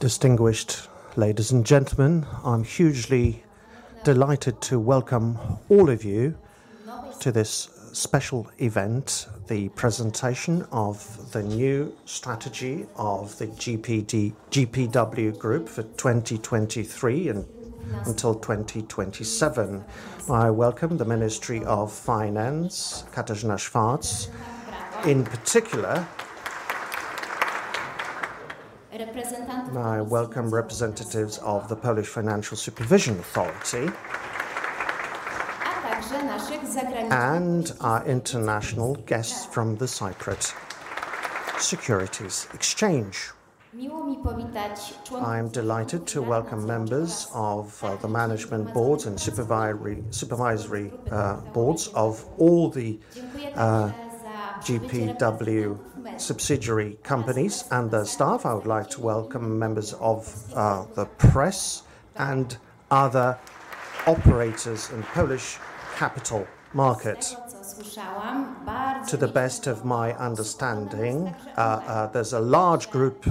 Distinguished ladies and gentlemen, I'm hugely delighted to welcome all of you to this special event, the presentation of the new strategy of the GPW Group for 2023 and until 2027. I welcome the Ministry of Finance, Katarzyna Szwarc, in particular. I welcome representatives of the Polish Financial Supervision Authority, and our international guests from the Cyprus Stock Exchange. I'm delighted to welcome members of the management board and supervisory boards of all the GPW subsidiary companies and their staff. I would like to welcome members of the press and other operators in Polish capital market. To the best of my understanding, there's a large group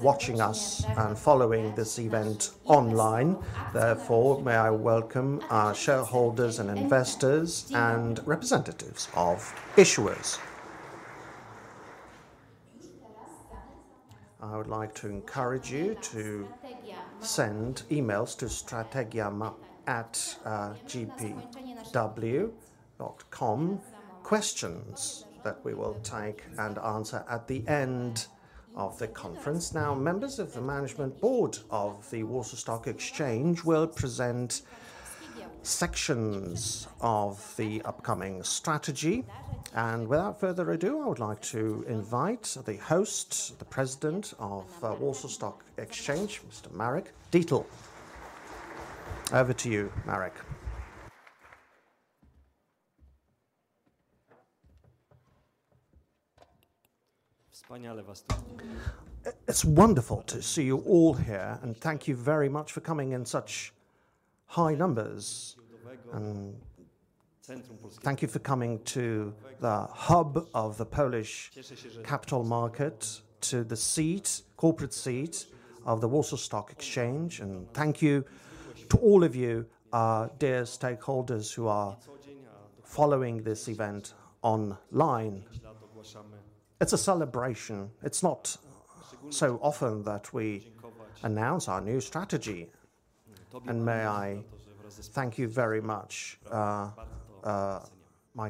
watching us and following this event online. May I welcome our shareholders and investors and representatives of issuers. I would like to encourage you to send emails to strategia@gpw.pl, questions that we will take and answer at the end of the conference. Now, members of the management board of the Warsaw Stock Exchange will present sections of the upcoming strategy. Without further ado, I would like to invite the host, the President of Warsaw Stock Exchange, Mr. Marek Dietl. Over to you, Marek. It's wonderful to see you all here, thank you very much for coming in such high numbers. Thank you for coming to the hub of the Polish capital market, to the seat, corporate seat of the Warsaw Stock Exchange, and thank you to all of you, our dear stakeholders, who are following this event online. It's a celebration. It's not so often that we announce our new strategy. May I thank you very much, my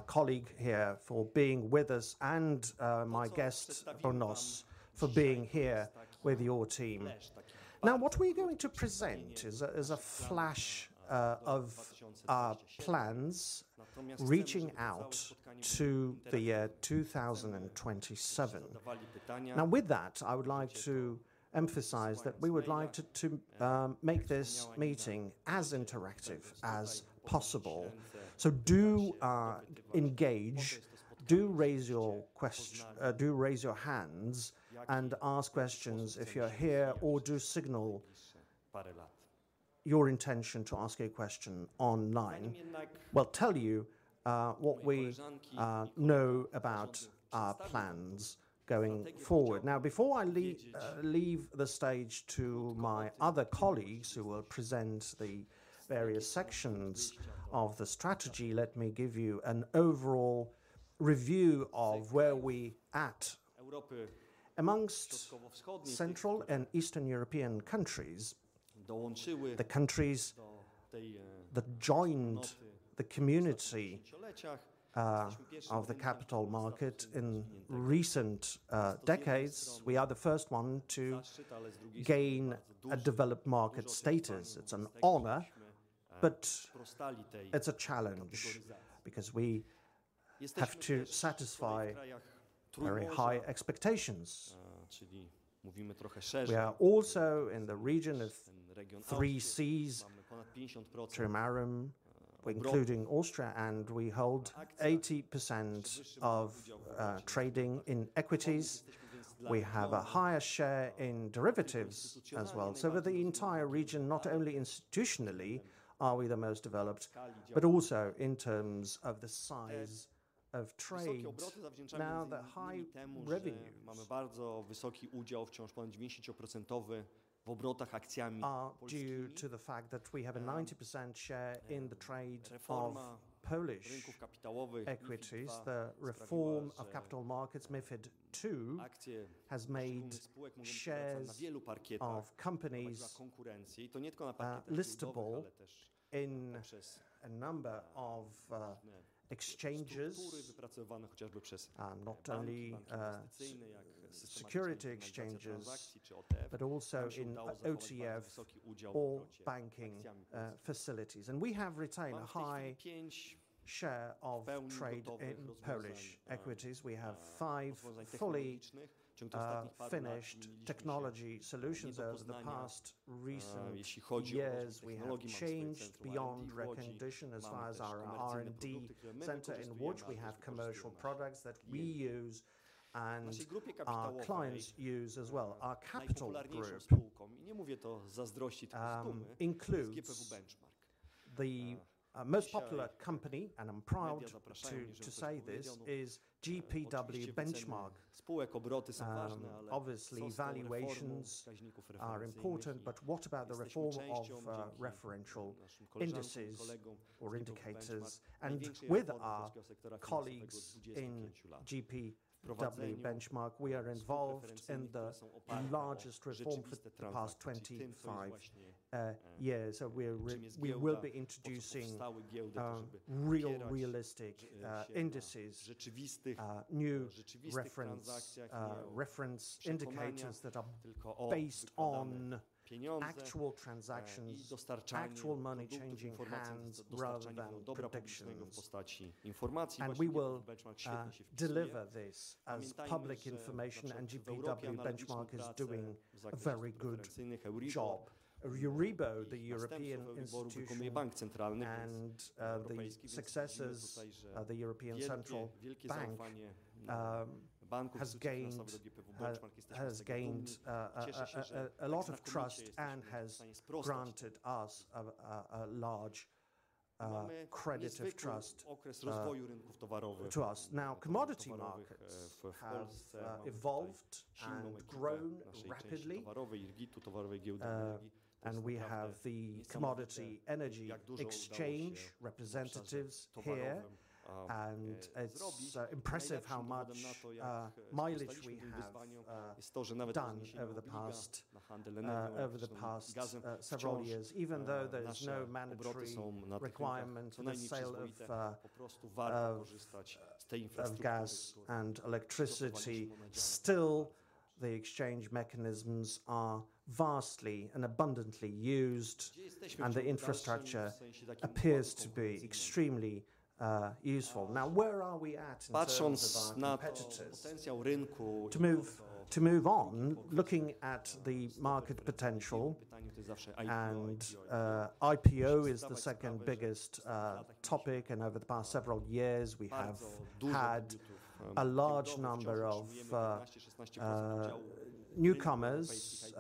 colleague here, for being with us and my guest, Ronos, for being here with your team. What we're going to present is a flash of our plans reaching out to the year 2027. With that, I would like to emphasize that we would like to make this meeting as interactive as possible. Do engage, do raise your hands and ask questions if you're here, or do signal your intention to ask a question online. We'll tell you what we know about our plans going forward. Before I leave the stage to my other colleagues, who will present the various sections of the strategy, let me give you an overall review of where we at. Amongst Central and Eastern European countries, the countries that joined the community of the capital market in recent decades, we are the first one to gain a developed market status. It's an honor, but it's a challenge because we have to satisfy very high expectations. We are also in the region of three seas, Trimarium, including Austria, and we hold 80% of trading in equities. We have a higher share in derivatives as well. Over the entire region, not only institutionally are we the most developed, but also in terms of the size of trades. The high revenues are due to the fact that we have a 90% share in the trade of Polish equities. The reform of capital markets, MiFID II, has made shares of companies listable in a number of exchanges, and not only security exchanges, but also in OTF or banking facilities. We have retained a high share of trade in Polish equities. We have 5 fully finished technology solutions. Over the past recent years, we have changed beyond recognition as far as our R&D center, in which we have commercial products that we use and our clients use as well. Our capital group. The most popular company, and I'm proud to say this, is GPW Benchmark. Obviously, valuations are important, but what about the reform of referential indices or indicators? With our colleagues in GPW Benchmark, we are involved in the largest reform for the past 25 years. We will be introducing realistic indices, new reference indicators that are based on actual transactions, actual money changing hands rather than predictions. We will deliver this as public information, and GPW Benchmark is doing a very good job. Euribor, the European institution, the successes of the European Central Bank, has gained a lot of trust and has granted us a large credit of trust to us. Commodity markets have evolved and grown rapidly, and we have the commodity energy exchange representatives here, and it's impressive how much mileage we have done over the past several years. Even though there is no mandatory requirement on the sale of gas and electricity, still, the exchange mechanisms are vastly and abundantly used, and the infrastructure appears to be extremely useful. Where are we at in terms of our competitors? To move on, looking at the market potential and IPO is the second biggest topic, and over the past several years, we have had a large number of newcomers.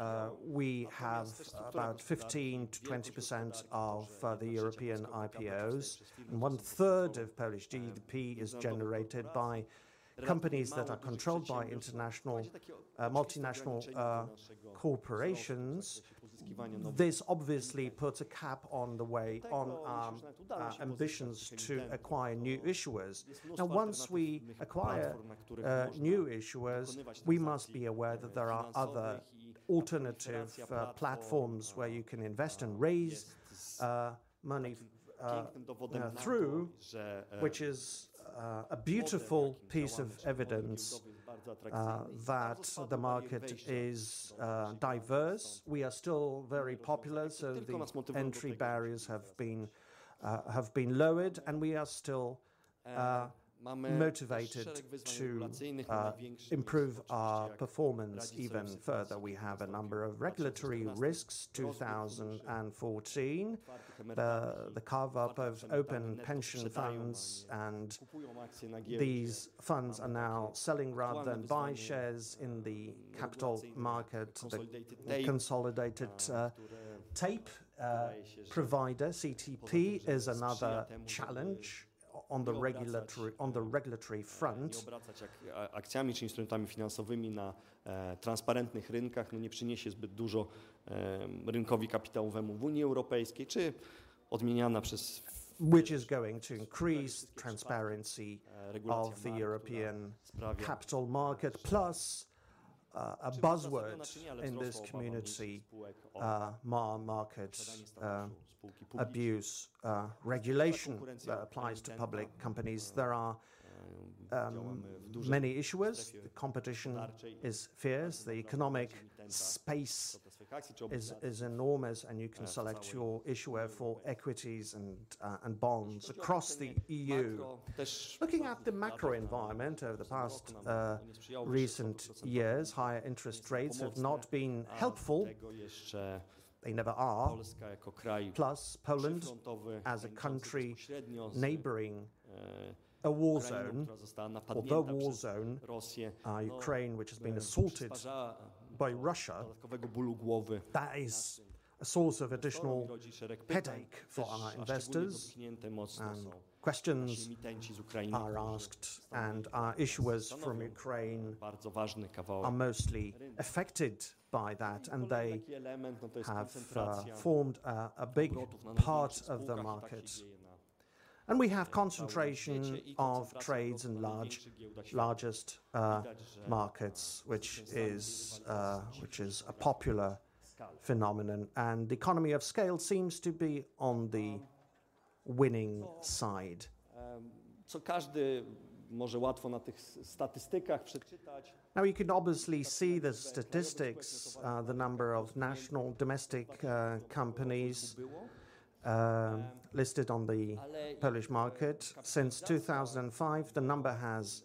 We have about 15-20% of the European IPOs, and 1/3 of Polish GDP is generated by companies that are controlled by international, multinational corporations. This obviously puts a cap on the way on our ambitions to acquire new issuers. Now, once we acquire new issuers, we must be aware that there are other alternative platforms where you can invest and raise money through, which is a beautiful piece of evidence that the market is diverse. We are still very popular, so the entry barriers have been lowered, and we are still motivated to improve our performance even further. We have a number of regulatory risks. 2014, the carve-up of open pension funds and these funds are now selling rather than buy shares in the capital market. Consolidated tape. The consolidated tape provider, CTP, is another challenge on the regulatory front. Is going to increase transparency of the European capital market, plus, a buzzword in this community, Market Abuse Regulation that applies to public companies. There are many issuers. The competition is fierce, the economic space is enormous, and you can select your issuer for equities and bonds across the EU. Looking at the macro environment over the past recent years, higher interest rates have not been helpful. They never are. Poland, as a country neighboring a war zone or the war zone, Ukraine, which has been assaulted by Russia, that is a source of additional headache for our investors. Questions are asked, and our issuers from Ukraine are mostly affected by that, and they have formed a big part of the market. We have concentration of trades in large, largest markets, which is a popular phenomenon, and the economy of scale seems to be on the winning side. You can obviously see the statistics, the number of national domestic companies listed on the Polish market. Since 2005, the number has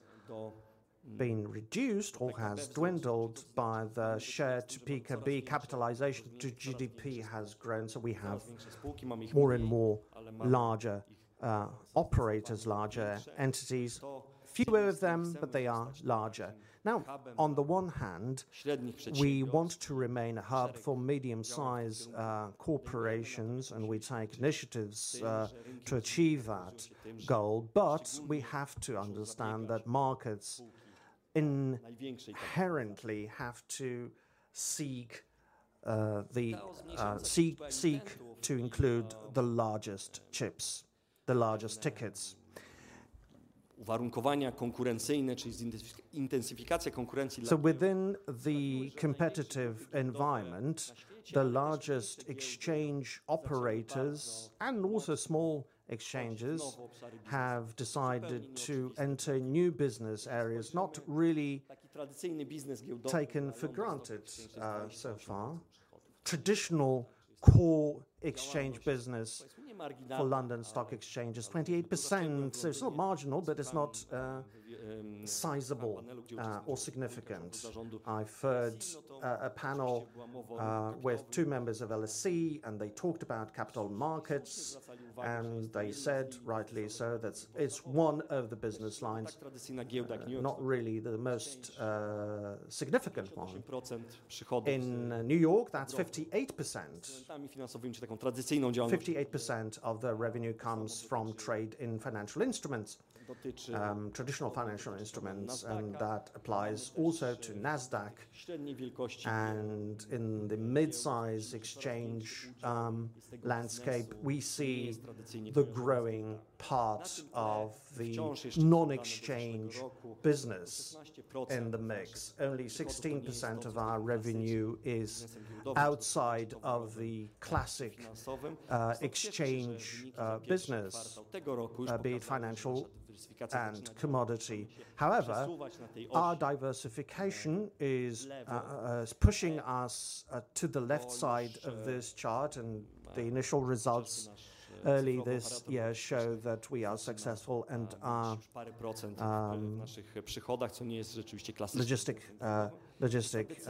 been reduced or has dwindled by the share to P/E capitalization to GDP has grown. We have more and more larger operators, larger entities, fewer of them, but they are larger. On the one hand, we want to remain a hub for medium-size corporations, and we take initiatives to achieve that goal, but we have to understand that markets inherently have to seek, the, seek to include the largest chips, the largest tickets. Within the competitive environment, the largest exchange operators and also small exchanges, have decided to enter new business areas, not really taken for granted so far. Traditional core exchange business for London Stock Exchange is 28%. It's not marginal, but it's not sizable or significant. I've heard a panel with two members of LSE, and they talked about capital markets, and they said, rightly so, that it's one of the business lines, not really the most significant one. In New York, that's 58%. 58% of their revenue comes from trade in financial instruments, traditional financial instruments, that applies also to Nasdaq. In the mid-size exchange landscape, we see the growing part of the non-exchange business in the mix. Only 16% of our revenue is outside of the classic exchange business, be it financial and commodity. Our diversification is pushing us to the left side of this chart, and the initial results early this year show that we are successful and our logistic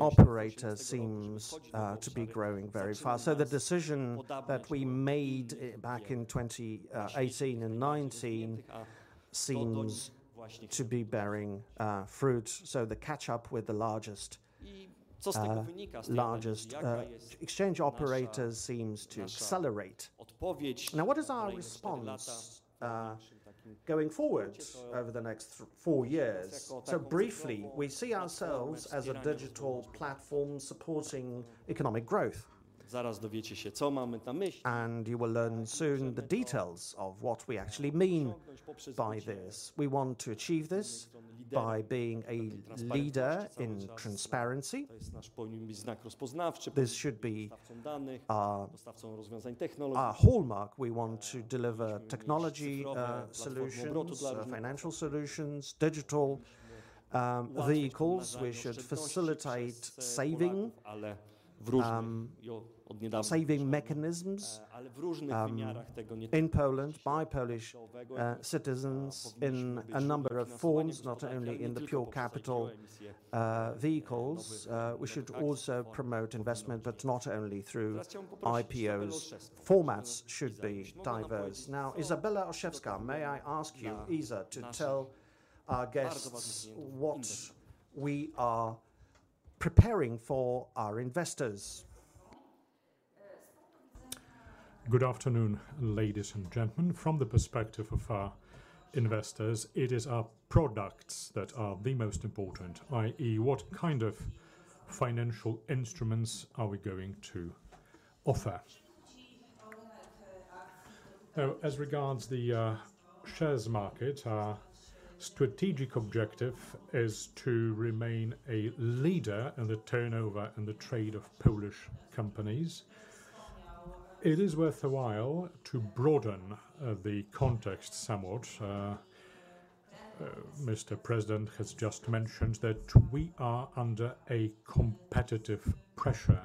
operator seems to be growing very fast. The decision that we made back in 2018 and 2019 seems to be bearing fruit. The catch-up with the largest exchange operators seems to accelerate. What is our response going forward over the next four years? Briefly, we see ourselves as a digital platform supporting economic growth. You will learn soon the details of what we actually mean by this. We want to achieve this by being a leader in transparency. This should be our hallmark. We want to deliver technology solutions, financial solutions, digital vehicles. We should facilitate saving mechanisms in Poland by Polish citizens in a number of forms, not only in the pure capital vehicles. We should also promote investment, but not only through IPOs. Formats should be diverse. Izabela Olszewska, may I ask you, Iza, to tell our guests what we are preparing for our investors? Good afternoon, ladies and gentlemen. From the perspective of our investors, it is our products that are the most important, i.e., what kind of financial instruments are we going to offer? As regards to the shares market, our strategic objective is to remain a leader in the turnover and the trade of Polish companies. It is worth a while to broaden the context somewhat. Mr. President has just mentioned that we are under a competitive pressure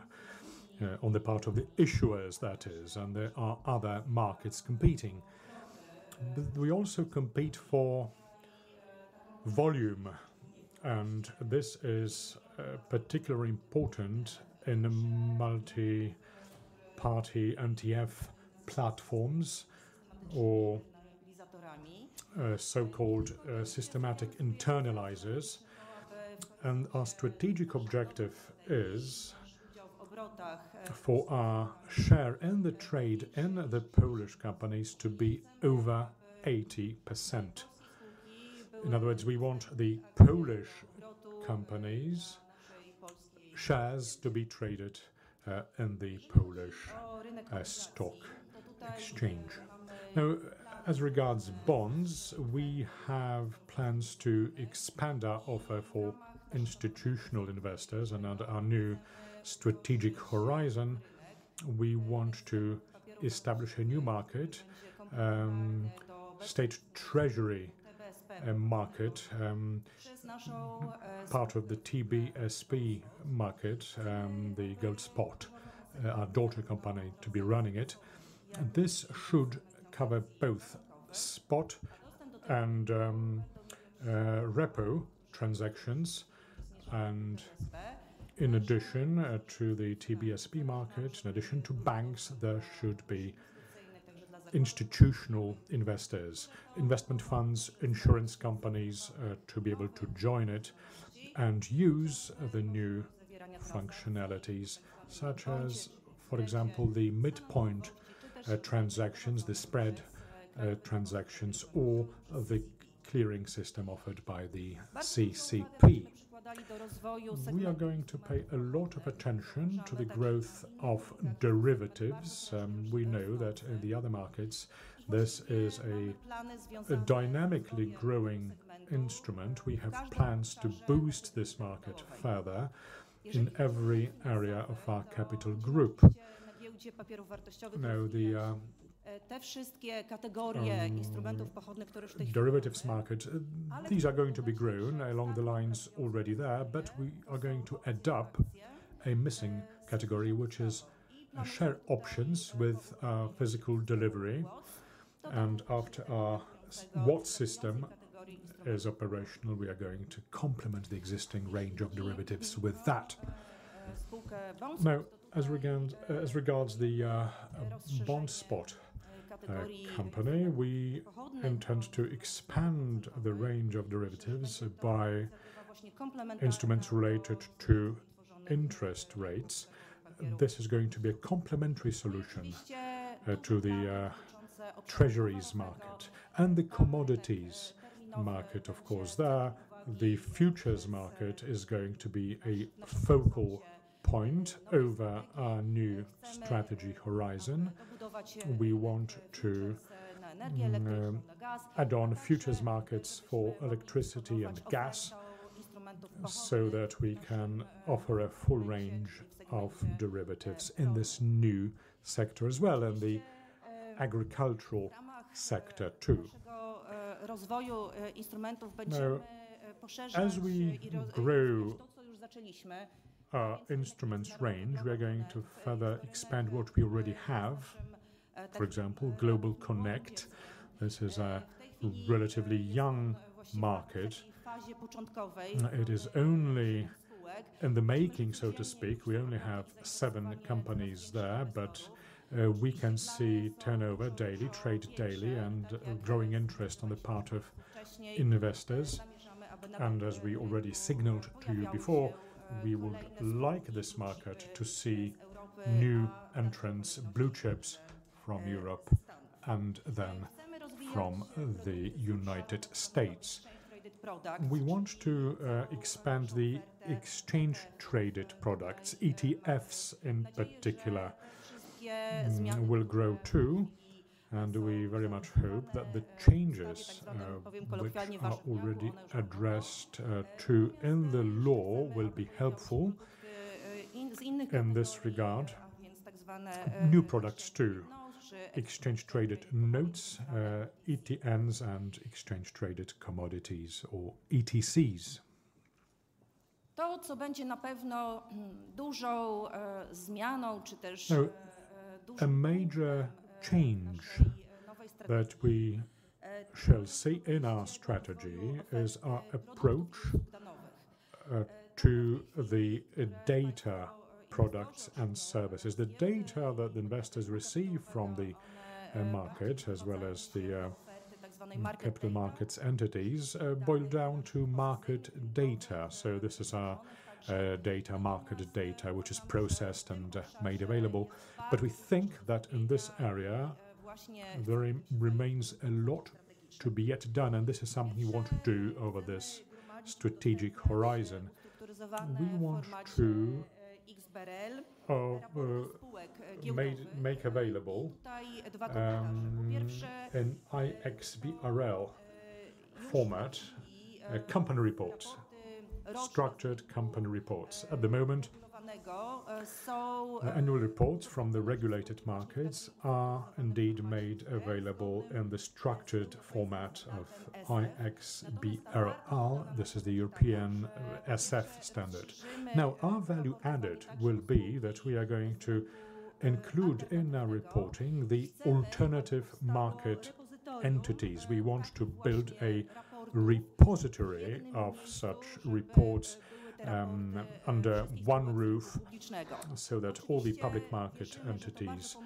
on the part of the issuers, that is, there are other markets competing. We also compete for volume, this is particularly important in the multi-party MTF platforms or so-called Systematic Internalizers. Our strategic objective is for our share in the trade in the Polish companies to be over 80%. In other words, we want the Polish companies' shares to be traded in the Polish stock exchange. Now, as regards bonds, we have plans to expand our offer for institutional investors. Under our new strategic horizon, we want to establish a new market, state treasury market, part of the TBSP market, the BondSpot, our daughter company, to be running it. This should cover both spot-... and repo transactions. In addition to the TBSP market, in addition to banks, there should be institutional investors, investment funds, insurance companies to be able to join it and use the new functionalities, such as, for example, the midpoint transactions, the spread transactions or the clearing system offered by the CCP. We are going to pay a lot of attention to the growth of derivatives. We know that in the other markets, this is a dynamically growing instrument. We have plans to boost this market further in every area of our capital group. The derivatives market, these are going to be grown along the lines already there, but we are going to add up a missing category, which is a share options with physical delivery. After our WATS system is operational, we are going to complement the existing range of derivatives with that. As regards the BondSpot company, we intend to expand the range of derivatives by instruments related to interest rates. This is going to be a complementary solution to the treasuries market and the commodities market, of course, there. The futures market is going to be a focal point over our new strategy horizon. We want to add on futures markets for electricity and gas, so that we can offer a full range of derivatives in this new sector as well, and the agricultural sector, too. As we grow our instruments range, we are going to further expand what we already have. For example, GlobalConnect, this is a relatively young market. It is only in the making, so to speak. We only have seven companies there, we can see turnover daily, trade daily, and growing interest on the part of investors. As we already signaled to you before, we would like this market to see new entrants, blue chips from Europe and then from the United States. We want to expand the exchange-traded products. ETFs, in particular, will grow, too, and we very much hope that the changes, which are already addressed to in the law, will be helpful in this regard. New products, too, exchange-traded notes, ETNs, and exchange-traded commodities or ETCs. A major change that we shall see in our strategy is our approach to the data products and services. The data that the investors receive from the market, as well as the capital markets entities, boil down to market data. This is our data, market data, which is processed and made available. We think that in this area, there remains a lot to be yet done, and this is something we want to do over this strategic horizon. We want to make available an iXBRL format, company reports, structured company reports. At the moment, annual reports from the regulated markets are indeed made available in the structured format of iXBRL. This is the European SF standard. Our value added will be that we are going to include in our reporting the alternative market entities. We want to build a repository of such reports, under one roof, so that all the public market entities,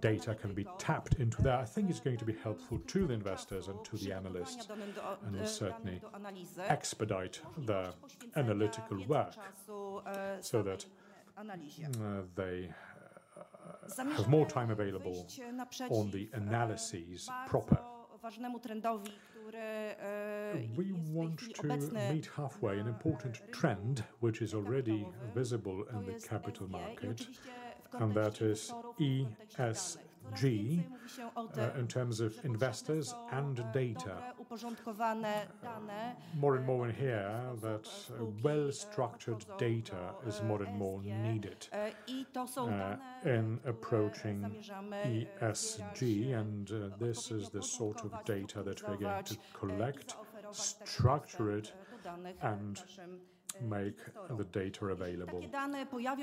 data, can be tapped into that. I think it's going to be helpful to the investors and to the analysts, will certainly expedite their analytical work, so that they have more time available on the analysis proper. We want to meet halfway an important trend, which is already visible in the capital market, that is ESG, in terms of investors and data. More and more we hear that well-structured data is more and more needed in approaching ESG, and this is the sort of data that we're going to collect, structure it, and make the data available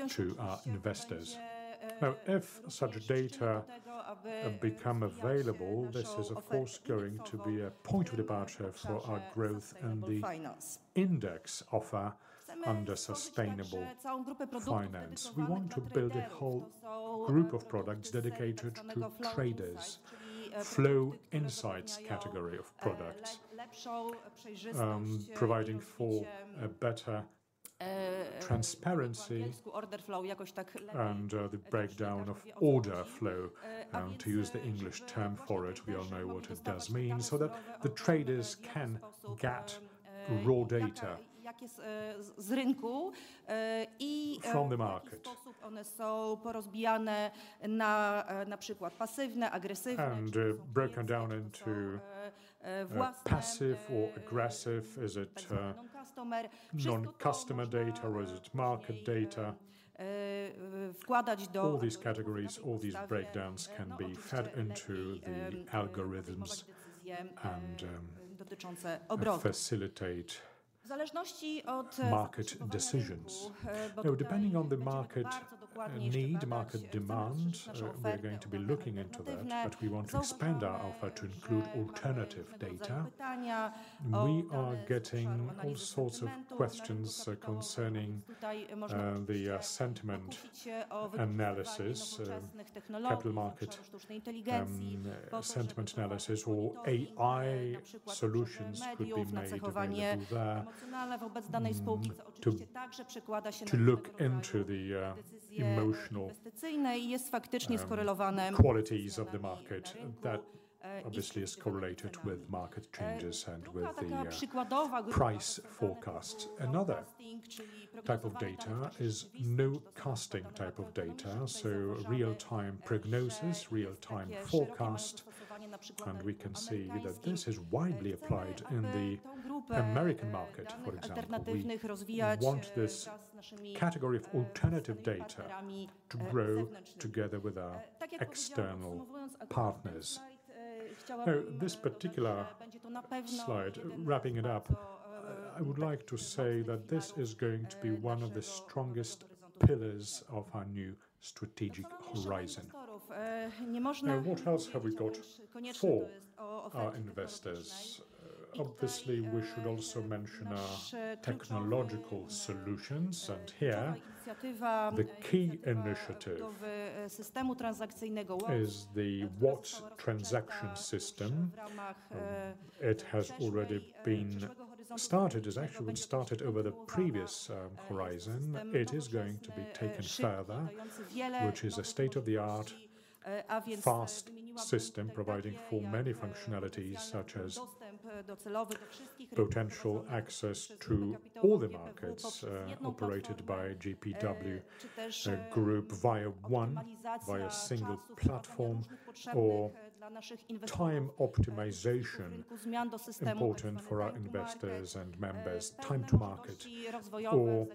to our investors. Now, if such data become available, this is, of course, going to be a point of departure for our growth and the finance index offer under sustainable finance. We want to build a whole group of products dedicated to traders, flow insights category of products, lepszą przejrzystość, providing for a better transparency. Po angielsku order flow, jakoś tak lepiej, and the breakdown of order flow. To use the English term for it, we all know what it does mean, so that the traders can get raw data, jak jest z rynku from the market. Broken down into passive or aggressive? Is it non-customer data or is it market data? All these categories, all these breakdowns can be fed into the algorithms and facilitate market decisions. Depending on the market need, market demand, we are going to be looking into that, but we want to expand our offer to include alternative data. We are getting all sorts of questions concerning the sentiment analysis, capital market sentiment analysis or AI solutions could be made available there. To look into the emotional qualities of the market, and that obviously is correlated with market changes and with the price forecast. Another type of data is nowcasting type of data, so real-time prognosis, real-time forecast. We can see that this is widely applied in the American market, for example. We want this category of alternative data to grow together with our external partners. This particular slide, wrapping it up, I would like to say that this is going to be 1 of the strongest pillars of our new strategic horizon. What else have we got for our investors? Obviously, we should also mention our technological solutions. Here, the key initiative is the WATS transaction system. It has already been started. It's actually been started over the previous horizon. It is going to be taken further, which is a state-of-the-art, fast system, providing for many functionalities, such as potential access to all the markets operated by GPW Group, via single platform or time optimization, important for our investors and members, time to market for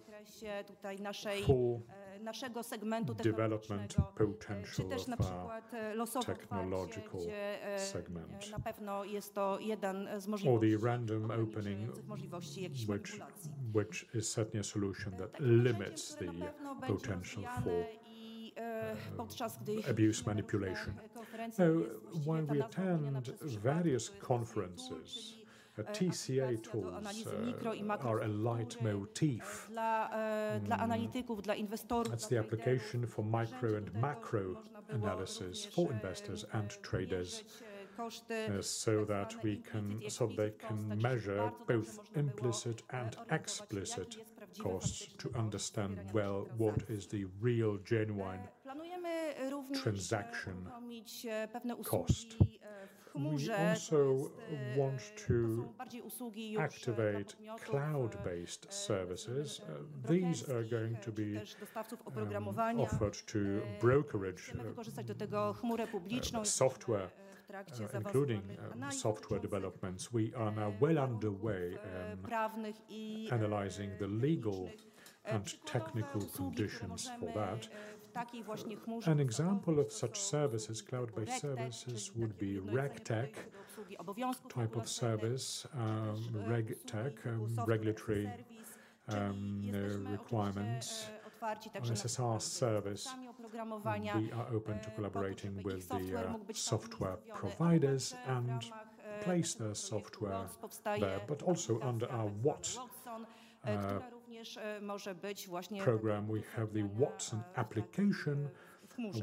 development, potential of technological segment. The random opening, which is certainly a solution that limits the potential for abuse manipulation. Now, when we attend various conferences, TCA tools are a light motif. That's the application for micro and macro analysis for investors and traders, so they can measure both implicit and explicit costs to understand, well, what is the real, genuine transaction cost. We also want to activate cloud-based services. These are going to be offered to brokerage software, including software developments. We are now well underway in analyzing the legal and technical conditions for that. An example of such services, cloud-based services, would be RegTech type of service. RegTech regulatory requirements, an SSR service. We are open to collaborating with the software providers and place a software there, but also under our WATS program, we have the Watson application,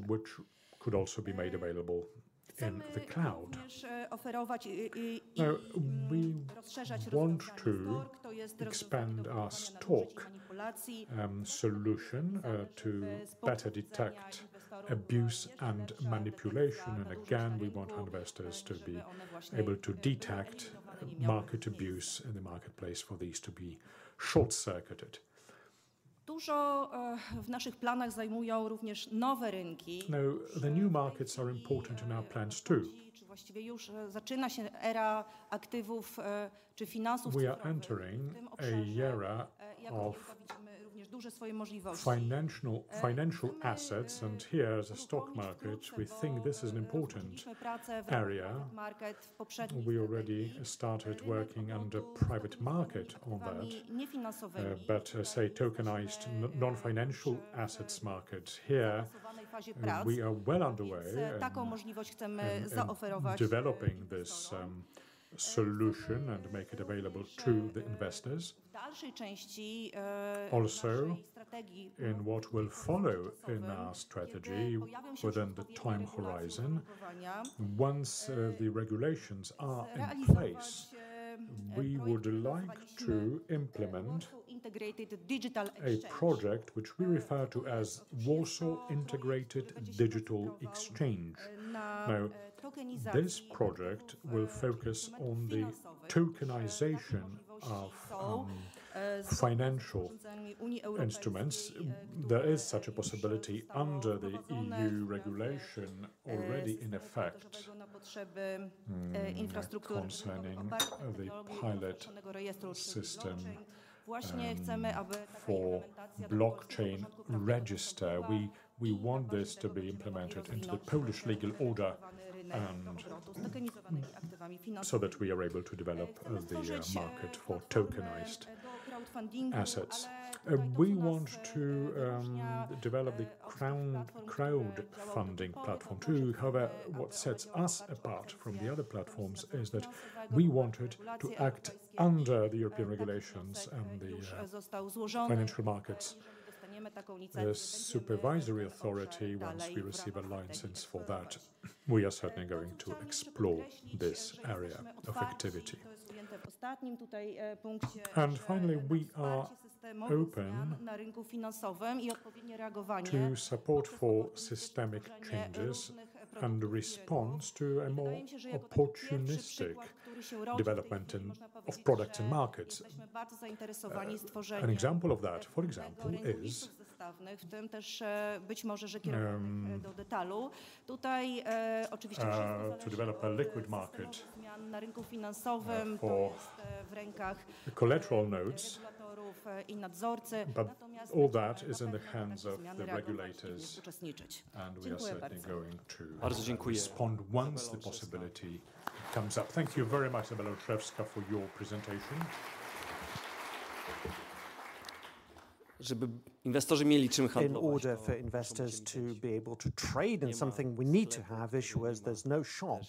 which could also be made available in the cloud. We want to expand our STORK solution to better detect abuse and manipulation. Again, we want investors to be able to detect market abuse in the marketplace for these to be short-circuited. Dużo w naszych planach zajmują również nowe rynki. The new markets are important in our plans, too. Czy właściwie już zaczyna się era aktywów, We are entering a era of financial assets, and here as a stock market, we think this is an important area. We already started working under GPW Private Market on that, but say tokenized non-financial assets market here, we are well underway in developing this solution and make it available to the investors. In what will follow in our strategy within the time horizon, once the regulations are in place. We would like to implement a project which we refer to as Warsaw Integrated Digital Exchange. This project will focus on the tokenization of financial instruments. There is such a possibility under the EU regulation already in effect, concerning the pilot system, for blockchain register. We want this to be implemented into the Polish legal order, and so that we are able to develop the market for tokenized assets. We want to develop the crowdfunding platform, too. However, what sets us apart from the other platforms is that we wanted to act under the European regulations and the financial markets. The supervisory authority, once we receive a license for that, we are certainly going to explore this area of activity. Finally, we are open to support for systemic changes and response to a more opportunistic development of products and markets. An example of that, for example, is to develop a liquid market for the collateral notes. All that is in the hands of the regulators, and we are certainly going to respond once the possibility comes up. Thank you very much, Izabela Olszewska, for your presentation. In order for investors to be able to trade in something, we need to have issuers. There's no shop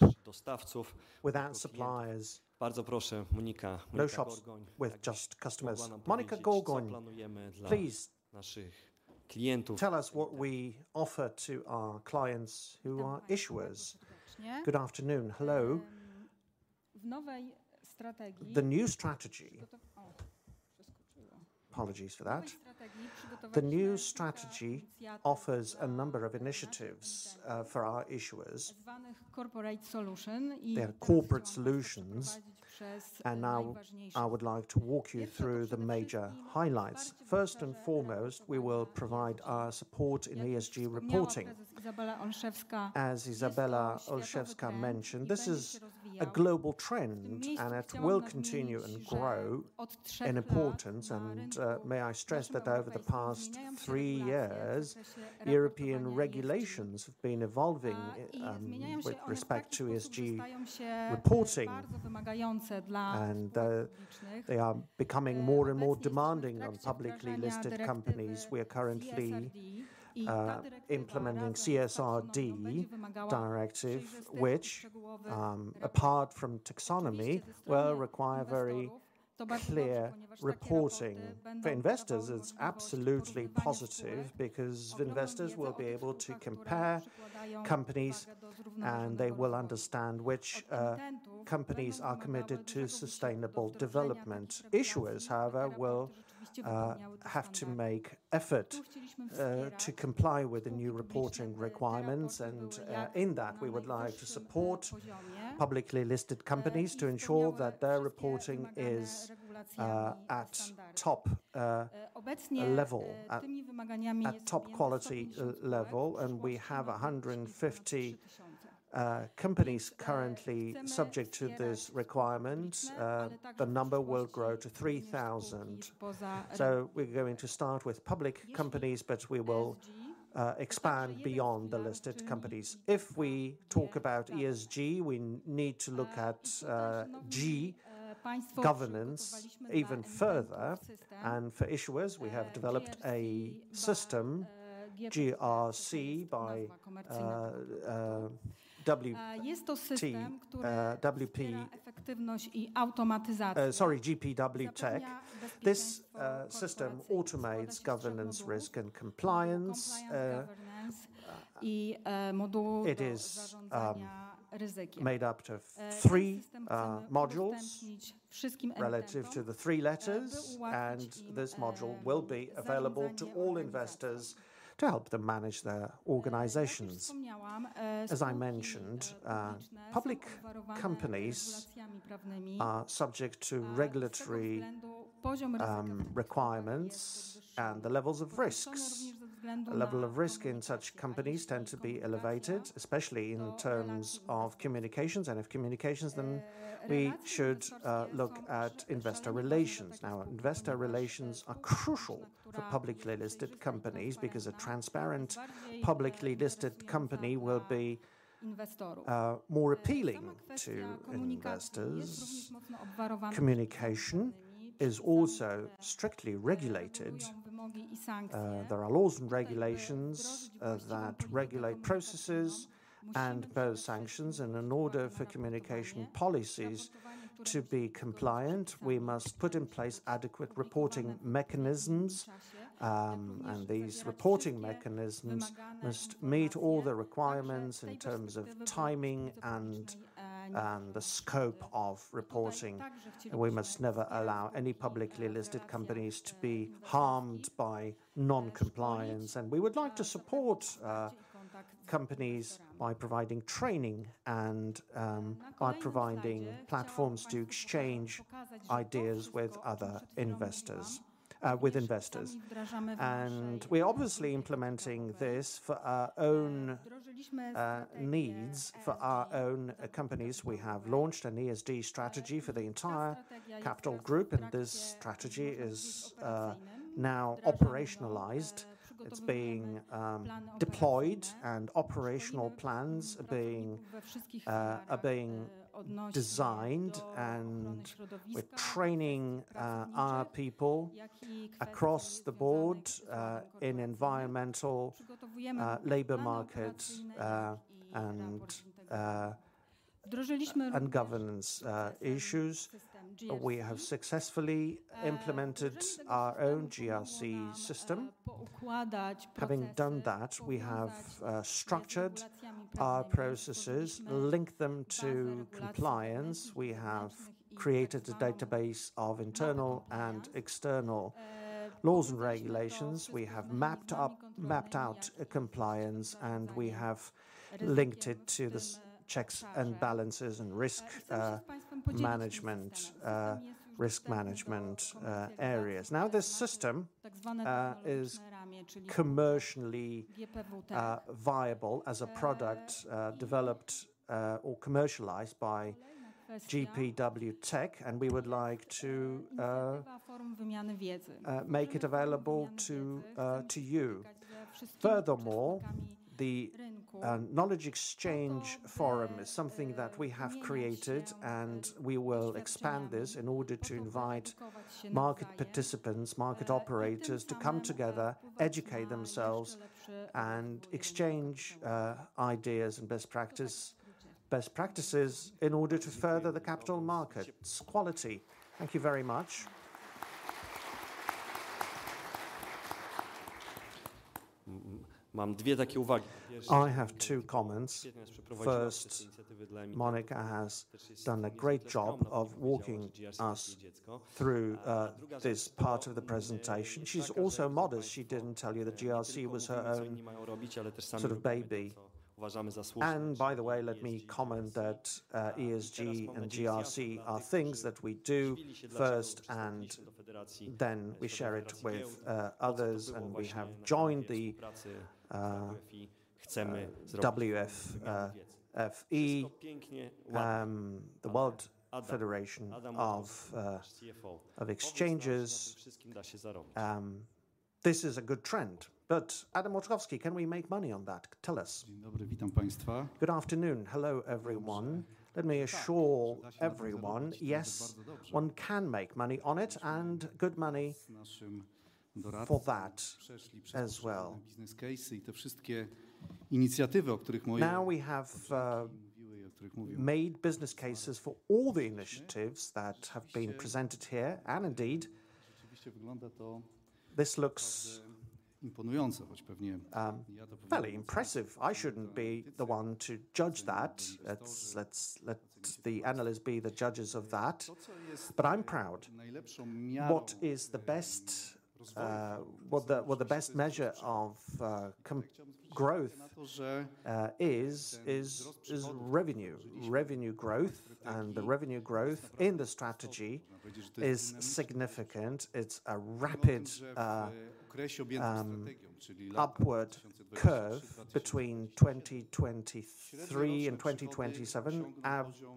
without suppliers. No shops with just customers. Monika Gorgoń, please tell us what we offer to our clients who are issuers. Good afternoon. Hello. The new strategy offers a number of initiatives for our issuers. They are corporate solutions, and now I would like to walk you through the major highlights. First and foremost, we will provide our support in ESG reporting. As Izabela Olszewska mentioned, this is a global trend, and it will continue and grow in importance. May I stress that over the past three years, European regulations have been evolving with respect to ESG reporting, and they are becoming more and more demanding on publicly listed companies. We are currently implementing CSRD Directive, which, apart from taxonomy, will require very clear reporting. For investors, it's absolutely positive because investors will be able to compare companies, and they will understand which companies are committed to sustainable development. Issuers, however, will have to make effort to comply with the new reporting requirements, and in that, we would like to support publicly listed companies to ensure that their reporting is at top level, at top quality level. We have 150 companies currently subject to this requirement. The number will grow to 3,000. We're going to start with public companies, but we will expand beyond the listed companies. If we talk about ESG, we need to look at G, governance even further. For issuers, we have developed a system, GRC, by GPW Tech. This system automates governance, risk, and compliance. It is made up of three modules relative to the three letters, and this module will be available to all investors to help them manage their organizations. As I mentioned, public companies are subject to regulatory requirements and the levels of risks. A level of risk in such companies tend to be elevated, especially in terms of communications, we should look at investor relations. Investor relations are crucial for publicly listed companies because a transparent, publicly listed company will be more appealing to investors. Communication is also strictly regulated. There are laws and regulations that regulate processes and those sanctions. In order for communication policies to be compliant, we must put in place adequate reporting mechanisms, and these reporting mechanisms must meet all the requirements in terms of timing and the scope of reporting. We must never allow any publicly listed companies to be harmed by non-compliance. We would like to support companies by providing training and by providing platforms to exchange ideas with investors. We're obviously implementing this for our own needs, for our own companies. We have launched an ESG strategy for the entire capital group, and this strategy is now operationalized. It's being deployed, and operational plans are being designed, and we're training our people across the board in environmental, labor market, and governance issues. We have successfully implemented our own GRC system. Having done that, we have structured our processes, linked them to compliance. We have created a database of internal and external laws and regulations. We have mapped out a compliance, and we have linked it to the checks and balances and risk management areas. Now, this system is commercially viable as a product developed or commercialized by GPW Tech, and we would like to make it available to you. Furthermore, the Knowledge Exchange Forum is something that we have created, and we will expand this in order to invite market participants, market operators to come together, educate themselves, and exchange ideas and best practices in order to further the capital markets quality. Thank you very much. I have two comments. First, Monica has done a great job of walking us through this part of the presentation. She's also modest. She didn't tell you that GRC was her own sort of baby. By the way, let me comment that ESG and GRC are things that we do first, and then we share it with others, and we have joined the WF, FE, the World Federation of Exchanges. This is a good trend, Adam M. Olszewski, can we make money on that? Tell us. Good afternoon. Hello, everyone. Let me assure everyone, yes, one can make money on it, and good money for that as well. We have made business cases for all the initiatives that have been presented here, and indeed, this looks fairly impressive. I shouldn't be the one to judge that. Let's let the analysts be the judges of that, but I'm proud. What is the best measure of growth, is revenue. Revenue growth, and the revenue growth in the strategy is significant. It's a rapid upward curve between 2023 and 2027.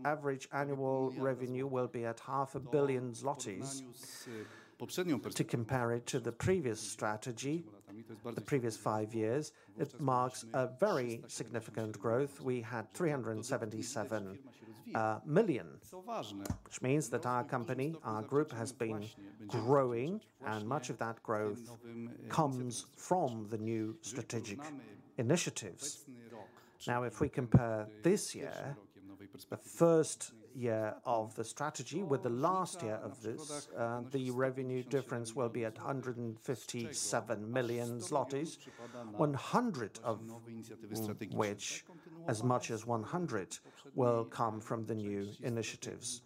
Average annual revenue will be at half a billion zlotys. To compare it to the previous strategy, the previous five years, it marks a very significant growth. We had 377 million, which means that our company, our group, has been growing, and much of that growth comes from the new strategic initiatives. If we compare this year, the first year of the strategy, with the last year of this, the revenue difference will be at 157 million zlotys. 100 of which, as much as 100, will come from the new initiatives.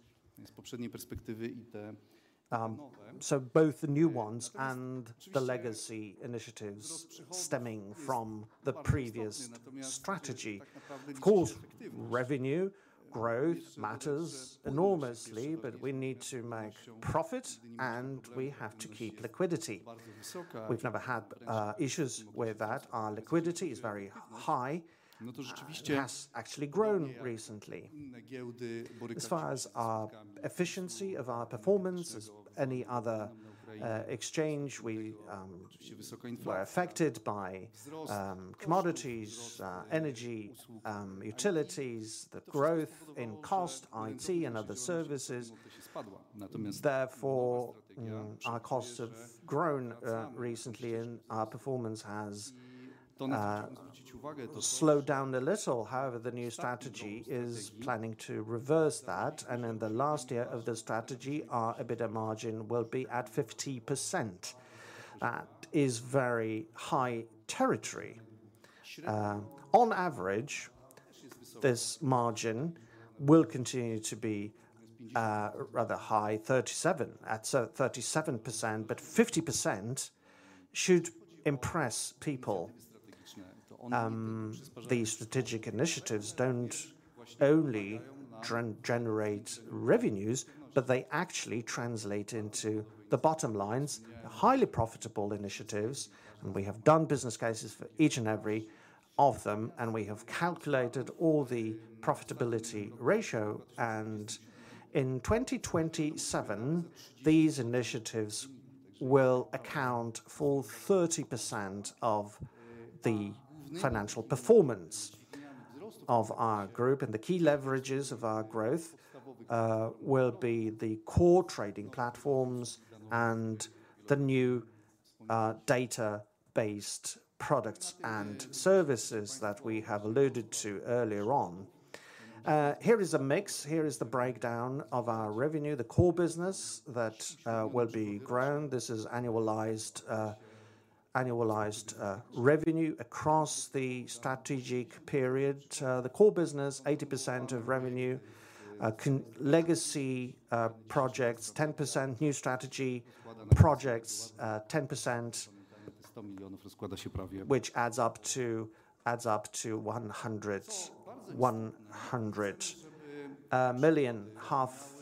So both the new ones and the legacy initiatives stemming from the previous strategy. Of course, revenue growth matters enormously, but we need to make profit, and we have to keep liquidity. We've never had issues with that. Our liquidity is very high and has actually grown recently. As far as our efficiency of our performance, as any other exchange, we were affected by commodities, energy, utilities, the growth in cost, IT and other services. Therefore, our costs have grown recently and our performance has slowed down a little. However, the new strategy is planning to reverse that, in the last year of the strategy, our EBITDA margin will be at 50%. That is very high territory. On average, this margin will continue to be rather high, 37, at so 37%, but 50% should impress people. These strategic initiatives don't only generate revenues, but they actually translate into the bottom lines, highly profitable initiatives, and we have done business cases for each and every of them, and we have calculated all the profitability ratio. In 2027, these initiatives will account for 30% of the financial performance of our group, and the key leverages of our growth will be the core trading platforms and the new data-based products and services that we have alluded to earlier on. Here is a mix. Here is the breakdown of our revenue, the core business that will be grown. This is annualized revenue across the strategic period. The core business, 80% of revenue, legacy projects, 10%, new strategy projects, 10%, which adds up to 100 million, half,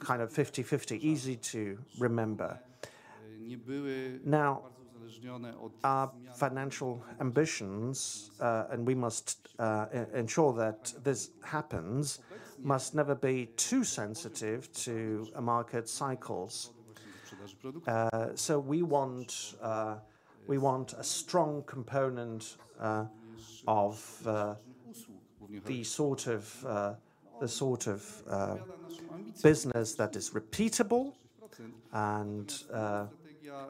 kind of 50/50, easy to remember. Our financial ambitions, and we must ensure that this happens, must never be too sensitive to a market cycles. We want a strong component of the sort of business that is repeatable, and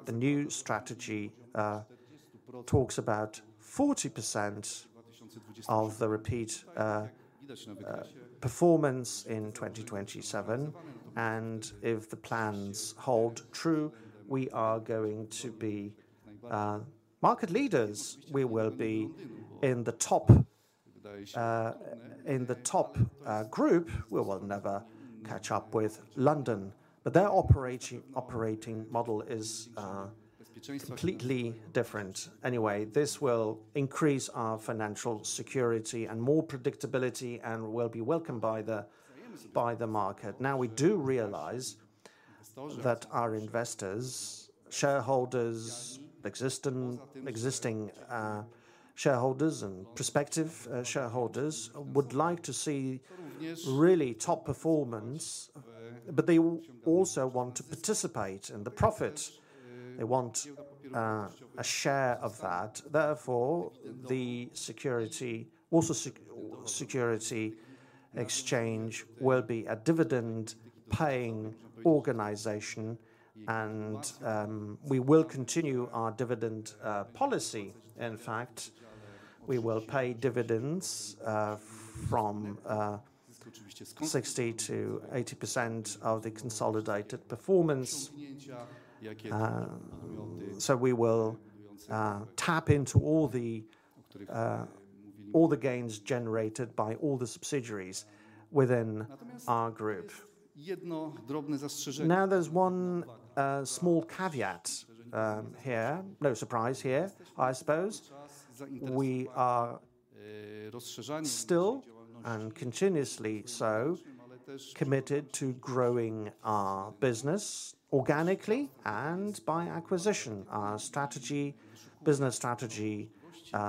the new strategy talks about 40% of the repeat performance in 2027. If the plans hold true, we are going to be market leaders. We will be in the top group. We will never catch up with London, but their operating model is completely different. This will increase our financial security and more predictability, and will be welcomed by the market. We do realize that our investors, shareholders, existing shareholders, and prospective shareholders would like to see really top performance, but they also want to participate in the profit. They want a share of that. The security exchange will be a dividend-paying organization, and we will continue our dividend policy. In fact, we will pay dividends from 60%-80% of the consolidated performance. We will tap into all the gains generated by all the subsidiaries within our group. There's one small caveat here. No surprise here, I suppose. We are still, and continuously so, committed to growing our business organically and by acquisition. Our strategy, business strategy,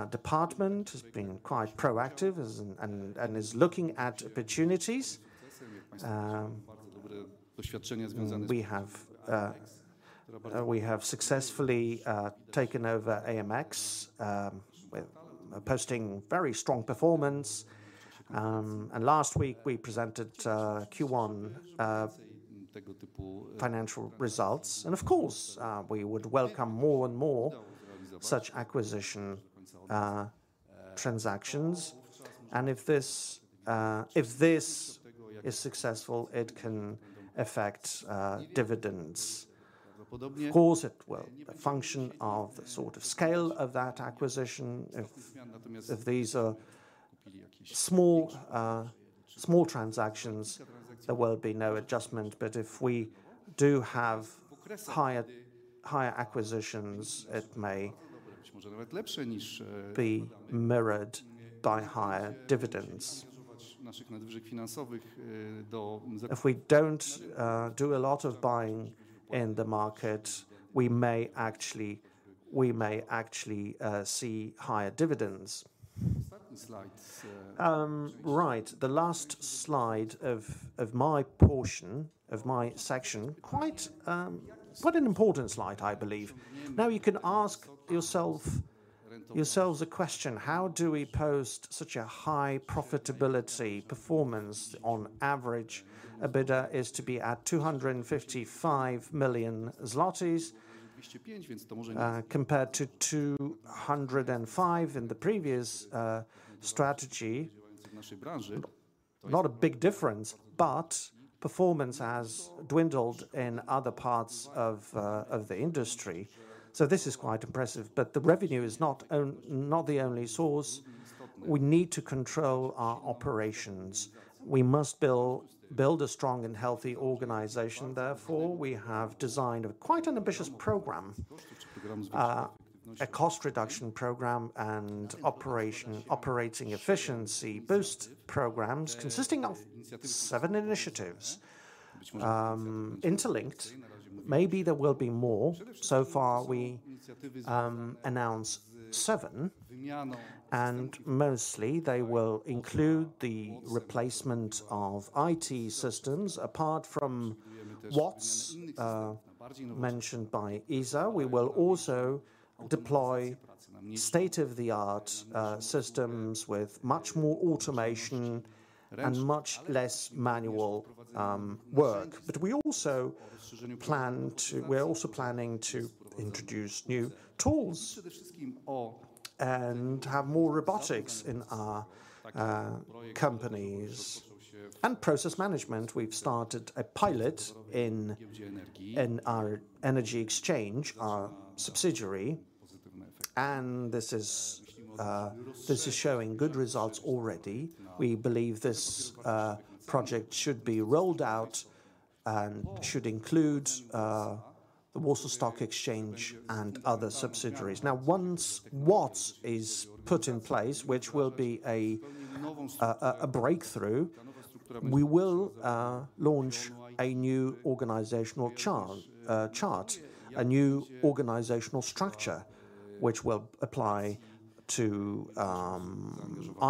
department has been quite proactive, is looking at opportunities. We have successfully taken over AMX, posting very strong performance. Last week, we presented Q1 financial results, and of course, we would welcome more and more such acquisition transactions, and if this if this is successful, it can affect dividends. Of course, it will, the function of the sort of scale of that acquisition. If these are small transactions, there will be no adjustment, but if we do have higher acquisitions, it may be mirrored by higher dividends. If we don't do a lot of buying in the market, we may actually see higher dividends. Certain slides, right, the last slide of my portion, of my section, quite an important slide, I believe. Now, you can ask yourself, yourselves a question: How do we post such a high profitability performance? On average, EBITDA is to be at 255 million zlotys, compared to 205 million in the previous strategy. Not a big difference, performance has dwindled in other parts of the industry, so this is quite impressive. The revenue is not the only source. We need to control our operations. We must build a strong and healthy organization. Therefore, we have designed a quite an ambitious program, a cost reduction program and operating efficiency boost programs, consisting of seven initiatives, interlinked. Maybe there will be more. Far, we announced seven, mostly they will include the replacement of IT systems. Apart from what's mentioned by Iza, we will also deploy state-of-the-art systems with much more automation and much less manual work. We're also planning to introduce new tools and have more robotics in our companies and process management. We've started a pilot in our Energy Exchange, our subsidiary, this is showing good results already. We believe this project should be rolled out and should include the Warsaw Stock Exchange and other subsidiaries. Once what is put in place, which will be a breakthrough, we will launch a new organizational chart, a new organizational structure, which will apply to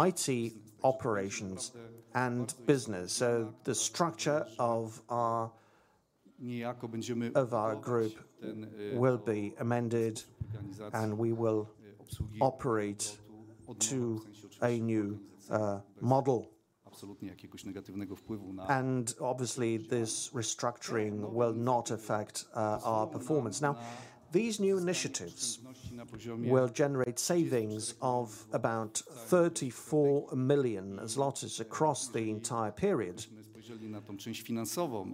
IT operations and business. The structure of our, of our group will be amended, and we will operate to a new model. Obviously, this restructuring will not affect our performance. Now, these new initiatives will generate savings of about 34 million zlotys across the entire period.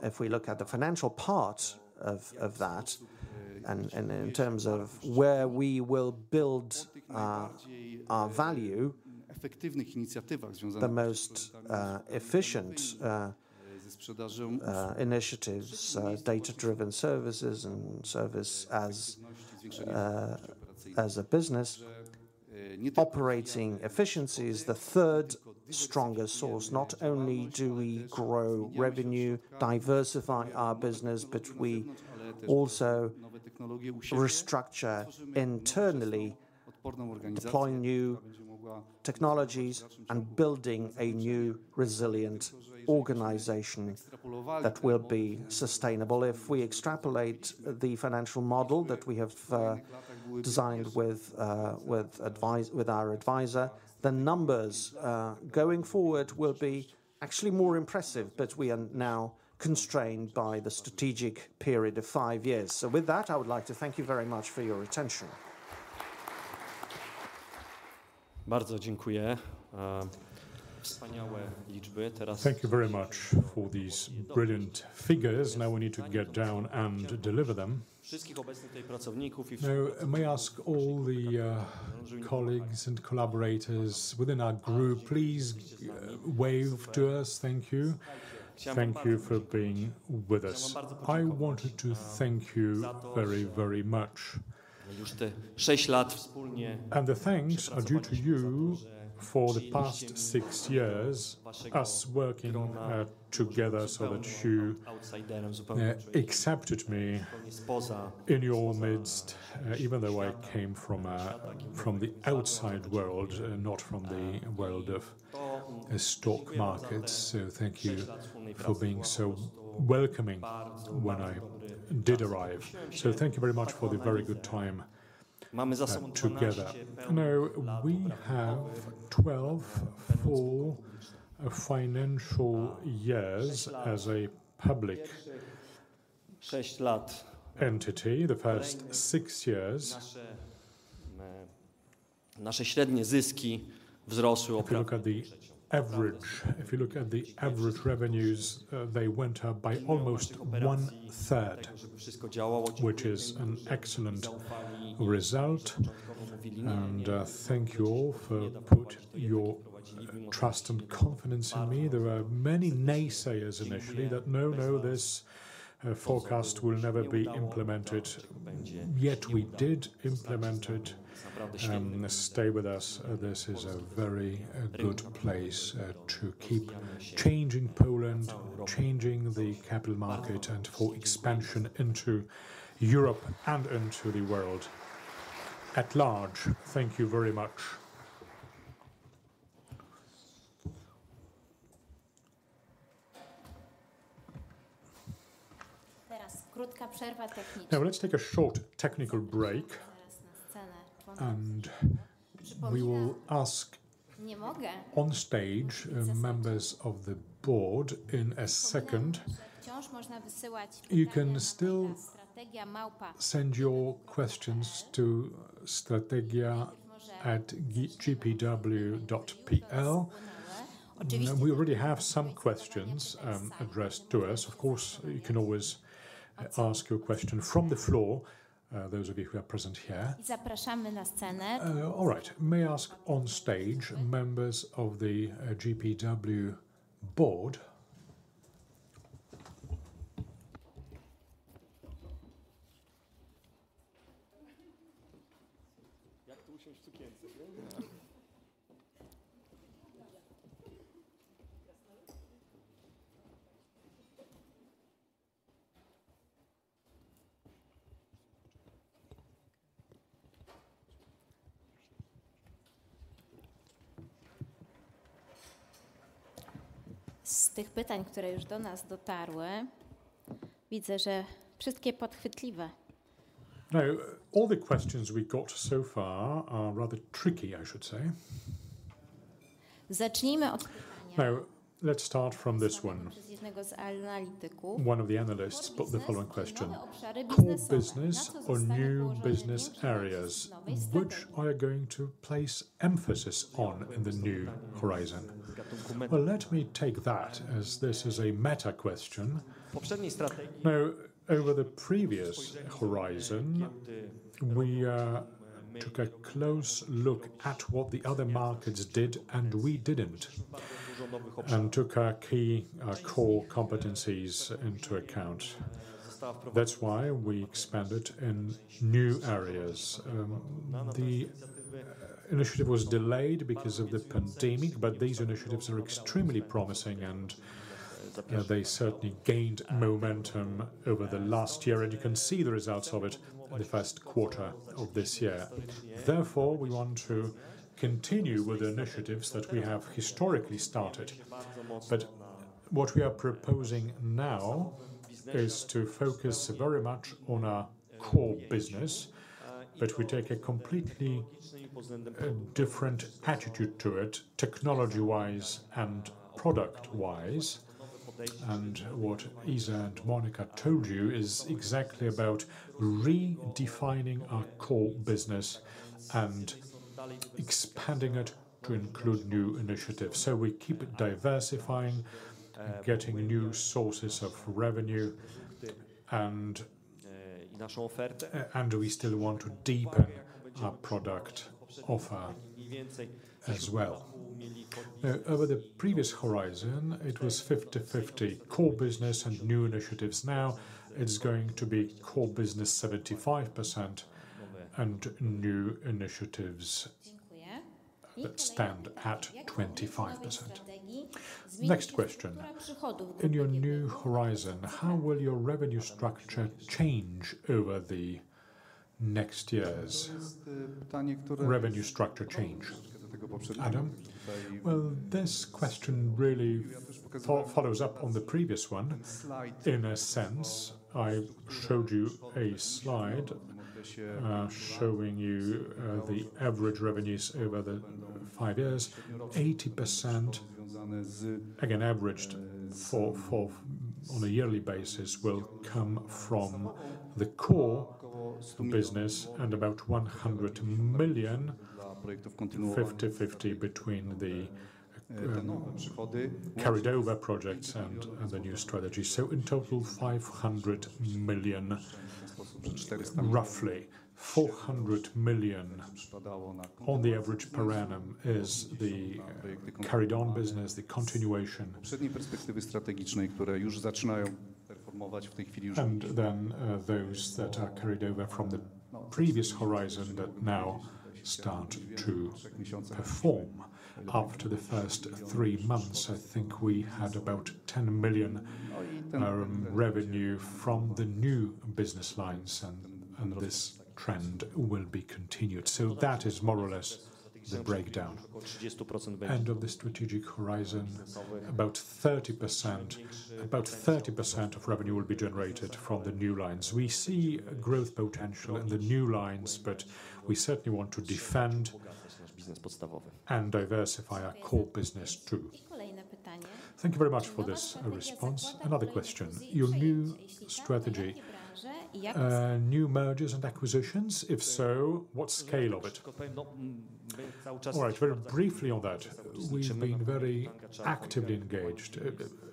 If we look at the financial part of that, and in terms of where we will build our value, the most efficient initiatives, data-driven services and service as a business. Operating efficiency is the third strongest source. Not only do we grow revenue, diversify our business, but we also restructure internally, deploy new technologies, and building a new resilient organization that will be sustainable. If we extrapolate the financial model that we have designed with our advisor, the numbers going forward will be actually more impressive, but we are now constrained by the strategic period of five years. With that, I would like to thank you very much for your attention. Thank you very much for these brilliant figures. We need to get down and deliver them. May I ask all the colleagues and collaborators within our group, please, wave to us. Thank you. Thank you for being with us. I wanted to thank you very, very much. The thanks are due to you for the past six years, us working together, so that you accepted me in your midst, even though I came from the outside world and not from the world of stock markets. Thank you for being so welcoming when I did arrive. Thank you very much for the very good time together. We have 12 full financial years as a public entity. The first six years, if you look at the average, if you look at the average revenues, they went up by almost one-third, which is an excellent result. Thank you all for put your trust and confidence in me. There were many naysayers initially that, "No, no, this forecast will never be implemented." Yet, we did implement it. Stay with us. This is a very good place to keep changing Poland, changing the capital market, and for expansion into Europe and into the world at large. Thank you very much. Let's take a short technical break, and we will ask- on stage, members of the board in a second. You can still send your questions to strategia@gpw.pl. We already have some questions addressed to us. Of course, you can always ask your question from the floor, those of you who are present here. I zapraszamy na scenę. All right. May I ask on stage members of the GPW board? Jak tu usiąść w sukience? Z tych pytań, które już do nas dotarły, widzę, że wszystkie podchwytliwe. All the questions we've got so far are rather tricky, I should say. Zacznijmy od pytania- Let's start from this one. z jednego z analityków. One of the analysts put the following question: Core business or new business areas, which are you going to place emphasis on in the new horizon? Let me take that, as this is a meta question. Poprzedniej strategii. Over the previous horizon, we took a close look at what the other markets did and we didn't, and took our key core competencies into account. That's why we expanded in new areas. The initiative was delayed because of the pandemic, these initiatives are extremely promising, and they certainly gained momentum over the last year, and you can see the results of it in the first quarter of this year. We want to continue with the initiatives that we have historically started. What we are proposing now is to focus very much on our core business, but we take a completely different attitude to it, technology-wise and product-wise. What Iza and Monica told you is exactly about redefining our core business and expanding it to include new initiatives. We keep diversifying, getting new sources of revenue, and we still want to deepen our product offer as well. Over the previous horizon, it was 50/50, core business and new initiatives. It's going to be core business, 75%, and new initiatives- Dziękuję... that stand at 25%. Next question. In your new horizon, how will your revenue structure change over the next years? Revenue structure change, Adam? Well, this question really follows up on the previous one in a sense. I've showed you a slide, showing you, the average revenues over the five years. 80%, again, averaged for on a yearly basis, will come from the core business and about 100 million, 50/50 between the carried over projects and the new strategy. In total, 500 million, roughly 400 million on the average per annum, is the carried on business, the continuation. Perspektywy strategicznej, które już zaczynają performować Those that are carried over from the previous horizon that now start to perform. Up to the first three months, I think we had about 10 million revenue from the new business lines, and this trend will be continued. That is more or less the breakdown. 30%. Of the strategic horizon, about 30% of revenue will be generated from the new lines. We see growth potential in the new lines, but we certainly want to defend and diversify our core business, too. Kolejne pytanie. Thank you very much for this response. Another question, your new strategy, new mergers and acquisitions? If so, what scale of it? All right. Very briefly on that, we've been very actively engaged.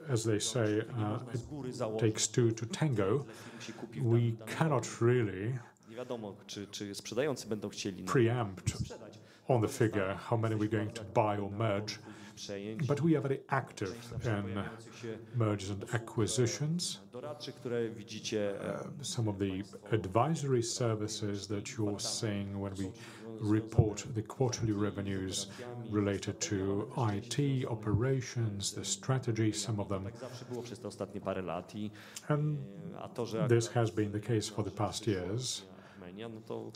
As they say, it takes two to tango. We cannot really preempt on the figure, how many we're going to buy or merge, but we are very active in mergers and acquisitions. Some of the advisory services that you're seeing when we report the quarterly revenues related to IT, operations, the strategy, some of them. Przez te ostatnie parę lat. This has been the case for the past years. Armenia. No to,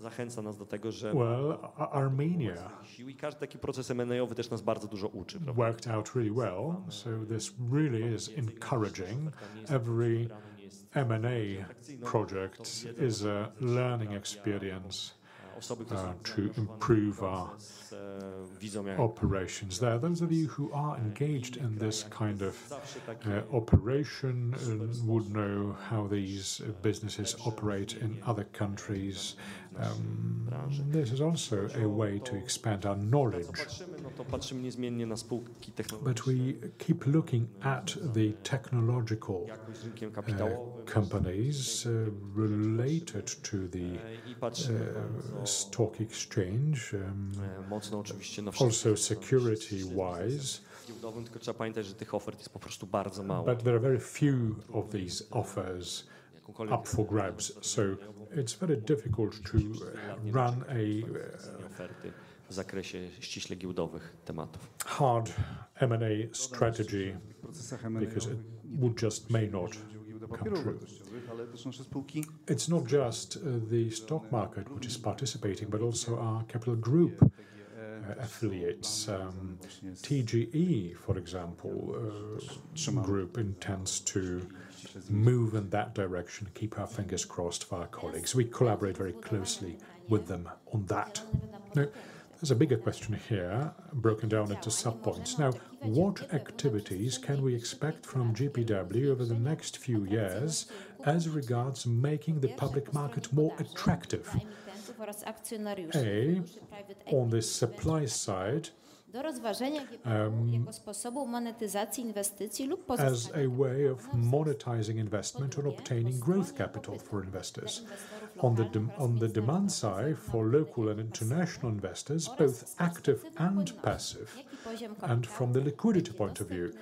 zachęca nas do tego. Well, A- Armenia... Każdy taki proces M&A-owy też nas bardzo dużo uczy.... worked out really well, this really is encouraging. Every M&A project is a learning experience to improve our operations there. Those of you who are engaged in this kind of operation would know how these businesses operate in other countries, this is also a way to expand our knowledge. We keep looking at the technological companies related to the stock exchange, also security-wise. There are very few of these offers up for grabs, so it's very difficult to run a hard M&A strategy because it would just may not come true. It's not just the stock market which is participating, but also our capital group affiliates. TGE, for example, some group intends to move in that direction. Keep our fingers crossed for our colleagues. We collaborate very closely with them on that. There's a bigger question here, broken down into sub-points. What activities can we expect from GPW over the next few years as regards making the public market more attractive? A, on the supply side, as a way of monetizing investment or obtaining growth capital for investors. On the demand side, for local and international investors, both active and passive, and from the liquidity point of view,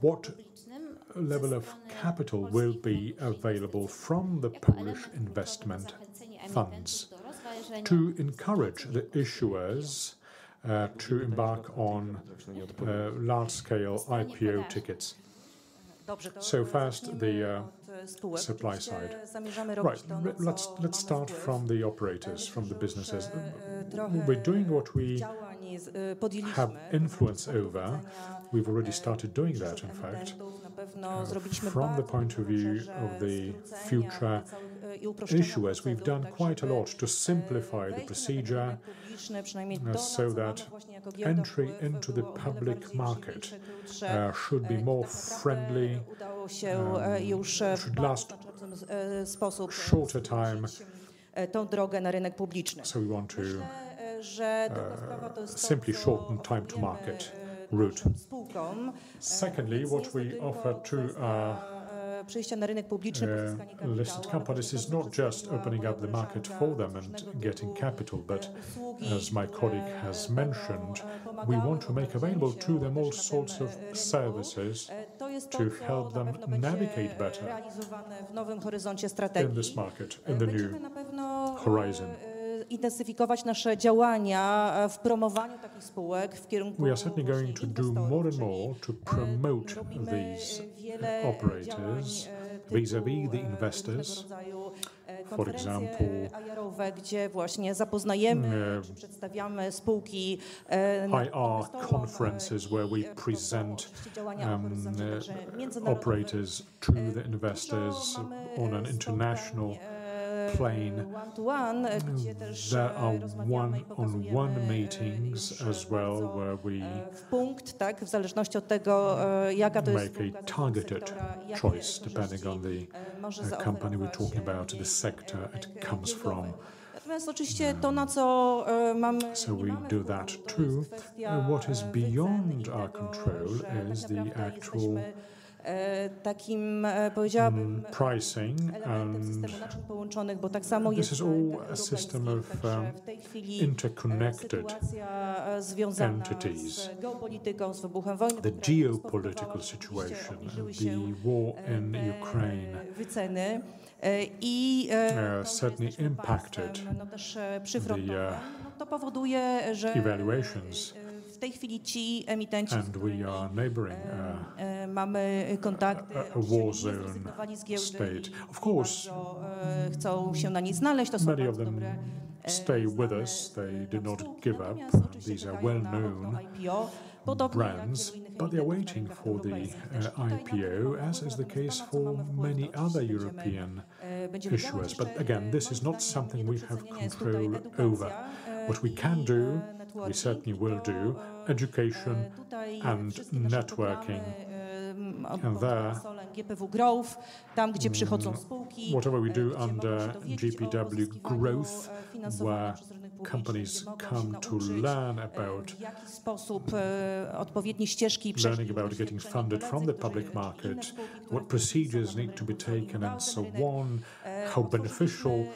what level of capital will be available from the Polish investment funds to encourage the issuers to embark on large-scale IPO tickets? First, the supply side. Right. Let's start from the operators, from the businesses. We're doing what we have influence over. We've already started doing that, in fact. From the point of view of the future issuers, we've done quite a lot to simplify the procedure, so that entry into the public market should be more friendly, should last a shorter time. We want to simply shorten time-to-market route. Secondly, what we offer to our listed companies is not just opening up the market for them and getting capital, but as my colleague has mentioned, we want to make available to them all sorts of services to help them navigate better in this market, in the new horizon. We are certainly going to do more and more to promote these operators vis-à-vis the investors. For example, IR conferences where we present operators to the investors on an international plane. There are one-on-one meetings as well, where we make a targeted choice, depending on the company we're talking about or the sector it comes from. We do that, too. What is beyond our control is the actual pricing, and this is all a system of interconnected entities. The geopolitical situation and the war in Ukraine certainly impacted the evaluations, and we are neighboring a war zone state. Of course, many of them stay with us. They did not give up. These are well-known brands, but they are waiting for the IPO, as is the case for many other European issuers. Again, this is not something we have control over. What we can do, we certainly will do: education and networking there. Whatever we do under GPW Growth, where companies come to learn about getting funded from the public market, what procedures need to be taken, and so on, how beneficial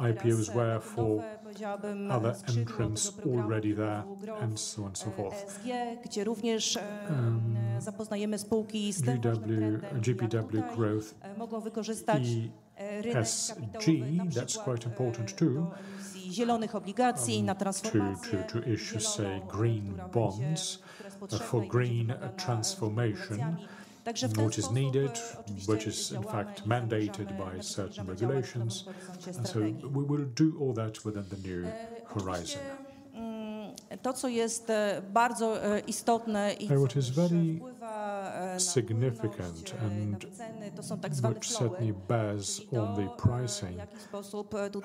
IPOs were for other entrants already there, and so on and so forth. GPW Growth, ESG, that's quite important, too, to issue, say, green bonds for green transformation, what is needed, which is, in fact, mandated by certain regulations. We will do all that within the new horizon. ...significant and which certainly bears on the pricing,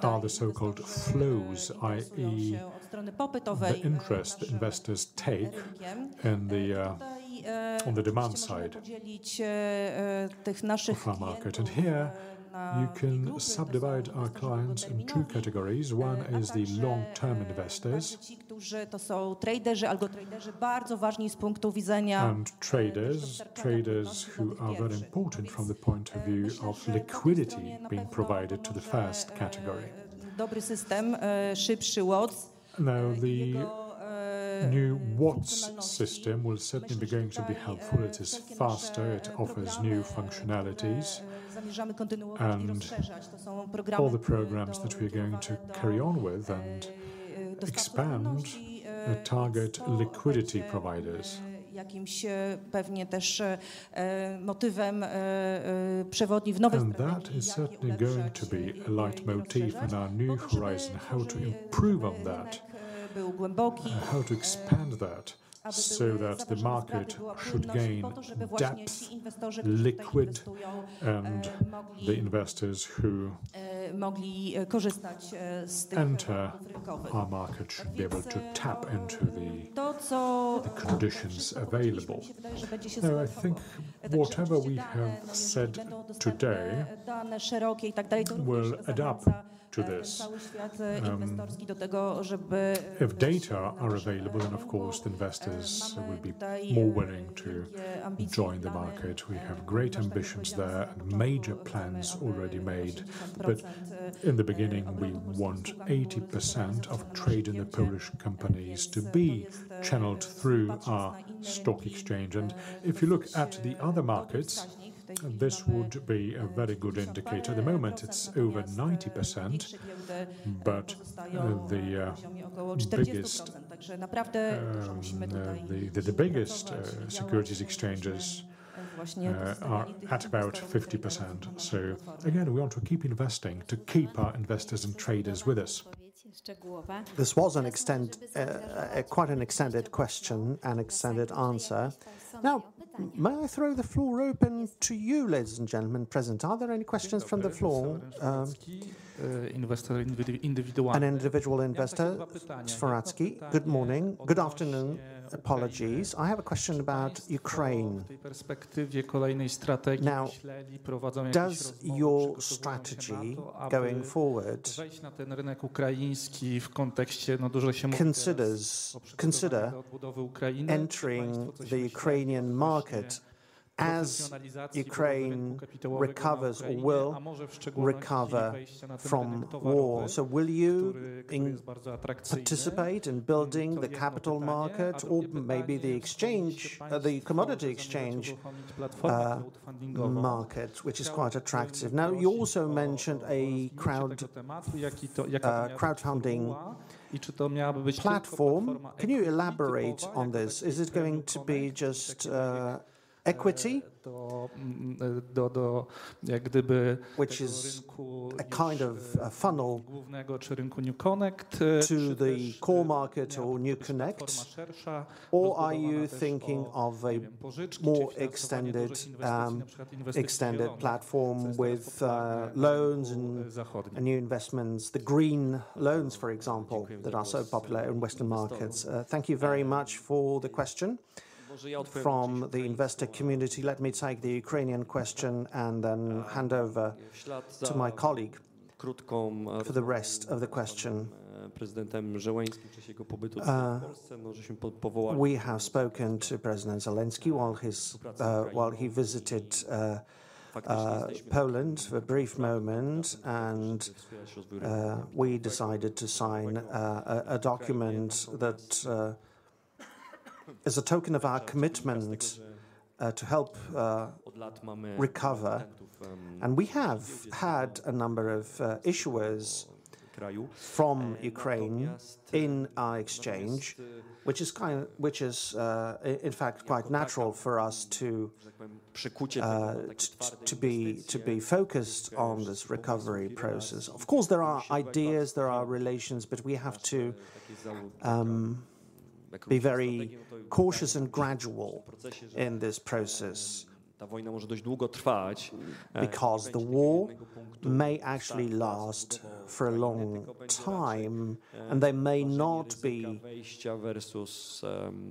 are the so-called flows, i.e., the interest investors take in the on the demand side of our market. Here, you can subdivide our clients in two categories. One is the long-term investors. Traders who are very important from the point of view of liquidity being provided to the first category. Now, the new WATS system will certainly be going to be helpful. It is faster, it offers new functionalities. All the programs that we're going to carry on with and expand the target liquidity providers. That is certainly going to be a leitmotif in our new horizon, how to improve on that? How to expand that, so that the market should gain depth, liquid, and the investors who enter our market should be able to tap into the conditions available. Now, I think whatever we have said today will adapt to this. If data are available, then of course, the investors will be more willing to join the market. We have great ambitions there, and major plans already made. In the beginning, we want 80% of trade in the Polish companies to be channeled through our stock exchange. If you look at the other markets, this would be a very good indicator. At the moment, it's over 90%, but the biggest securities exchanges are at about 50%. Again, we want to keep investing, to keep our investors and traders with us. This was an extent, quite an extended question and extended answer. May I throw the floor open to you, ladies and gentlemen present? Are there any questions from the floor? An individual investor, Sforatsky. Good morning. Good afternoon, apologies. I have a question about Ukraine. Does your strategy going forward consider entering the Ukrainian market as Ukraine recovers or will recover from war? Will you participate in building the capital market or maybe the exchange, the commodity exchange market, which is quite attractive? You also mentioned a crowdfunding platform. Can you elaborate on this? Is it going to be just equity? Which is a kind of a funnel to the core market or NewConnect? Are you thinking of a more extended platform with loans and new investments, the green loans, for example, that are so popular in Western markets? Thank you very much for the question from the investor community. Let me take the Ukrainian question and then hand over to my colleague for the rest of the question. We have spoken to President Zelenskyy while his, while he visited Poland for a brief moment, and we decided to sign a document that is a token of our commitment to help recover. And we have had a number of issuers from Ukraine in our exchange, which is in fact quite natural for us to be focused on this recovery process. Of course, there are ideas, there are relations, but we have to be very cautious and gradual in this process. The war may actually last for a long time, and there may not be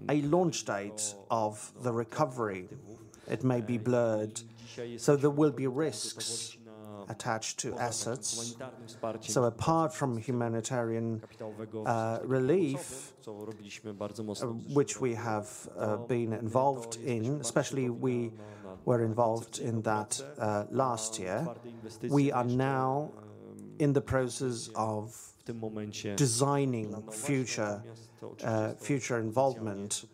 a launch date of the recovery. It may be blurred, so there will be risks attached to assets. Apart from humanitarian relief, which we have been involved in, especially we were involved in that last year, we are now in the process of designing future involvement,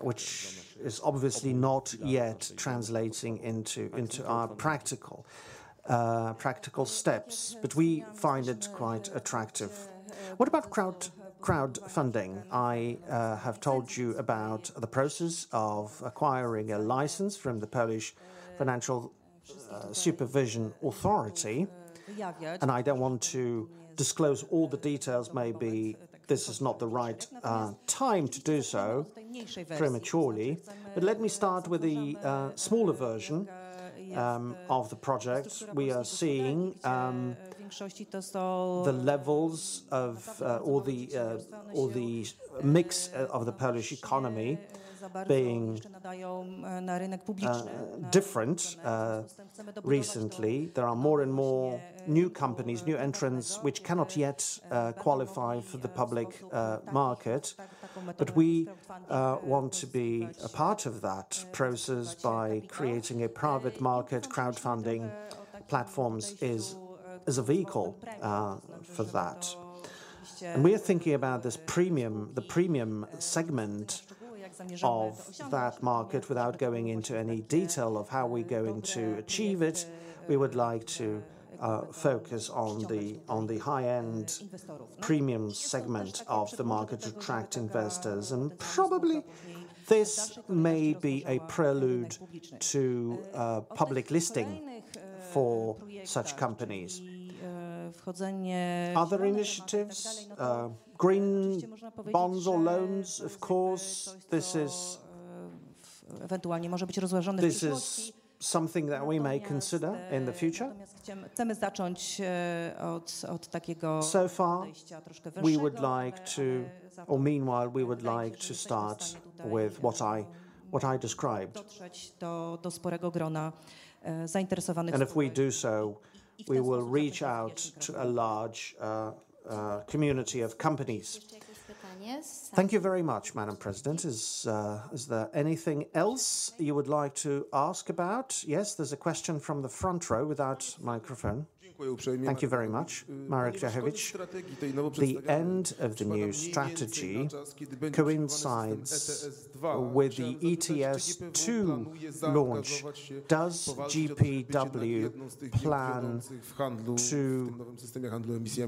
which is obviously not yet translating into our practical steps, but we find it quite attractive. What about crowd, crowdfunding? I have told you about the process of acquiring a license from the Polish Financial Supervision Authority. I don't want to disclose all the details. Maybe this is not the right time to do so prematurely. Let me start with the smaller version of the project. We are seeing the levels of all the all the mix of the Polish economy being different. Recently, there are more and more new companies, new entrants, which cannot yet qualify for the public market. We want to be a part of that process by creating a private market. Crowdfunding platforms is, as a vehicle for that. We are thinking about this premium, the premium segment of that market, without going into any detail of how we're going to achieve it. We would like to focus on the high-end premium segment of the market to attract investors. Probably, this may be a prelude to public listing for such companies. Other initiatives, green bonds or loans? Of course, this is something that we may consider in the future. So far, or meanwhile, we would like to start with what I described. If we do so, we will reach out to a large community of companies. Thank you very much, Madam President. Is there anything else you would like to ask about? Yes, there's a question from the front row without microphone. Thank you very much. Marek Jaśkiewicz. The end of the new strategy coincides with the ETS2 launch. Does GPW plan to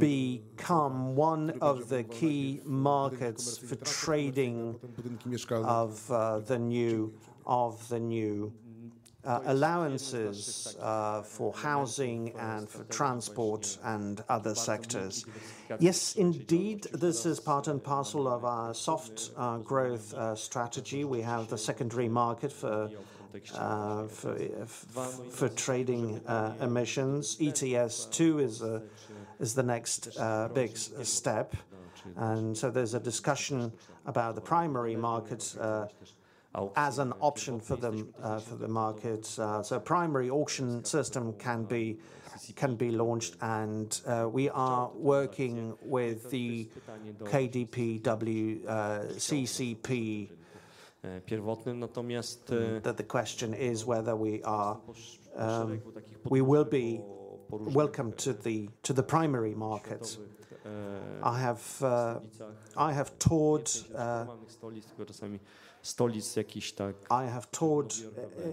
become one of the key markets for trading of the new allowances for housing and for transport and other sectors? Yes, indeed. This is part and parcel of our soft growth strategy. We have the secondary market for trading emissions. ETS2 is the next big step. There's a discussion about the primary markets as an option for them for the markets. Primary auction system can be launched, and we are working with the KDPW CCP. The question is whether we are we will be welcome to the primary markets. I have toured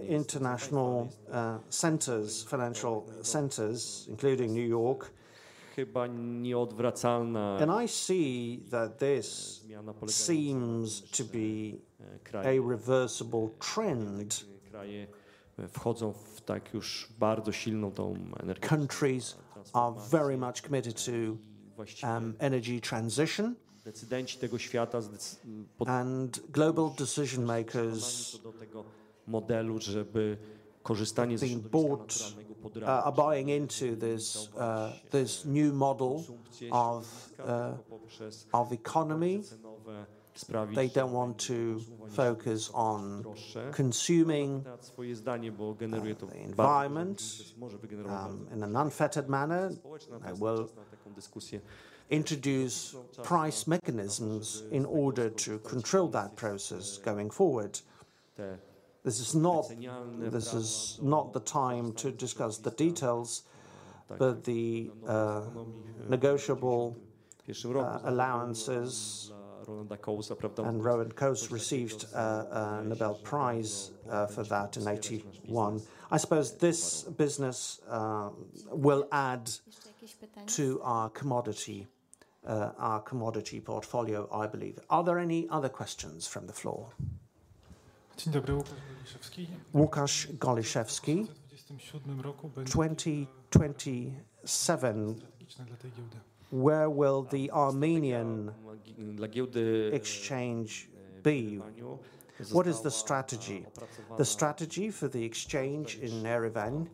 international centers, financial centers, including New York. I see that this seems to be a reversible trend. Countries are very much committed to energy transition. Global decision-makers are buying into this new model of economy. They don't want to focus on consuming the environment in an unfettered manner, and will introduce price mechanisms in order to control that process going forward. This is not, this is not the time to discuss the details, but the negotiable allowances, and Ronald Coase received a Nobel Prize for that in 1981. I suppose this business will add to our commodity our commodity portfolio, I believe. Are there any other questions from the floor? Łukasz Goliszewski. 2027 Where will the Armenian exchange be? What is the strategy? The strategy for the exchange in Yerevan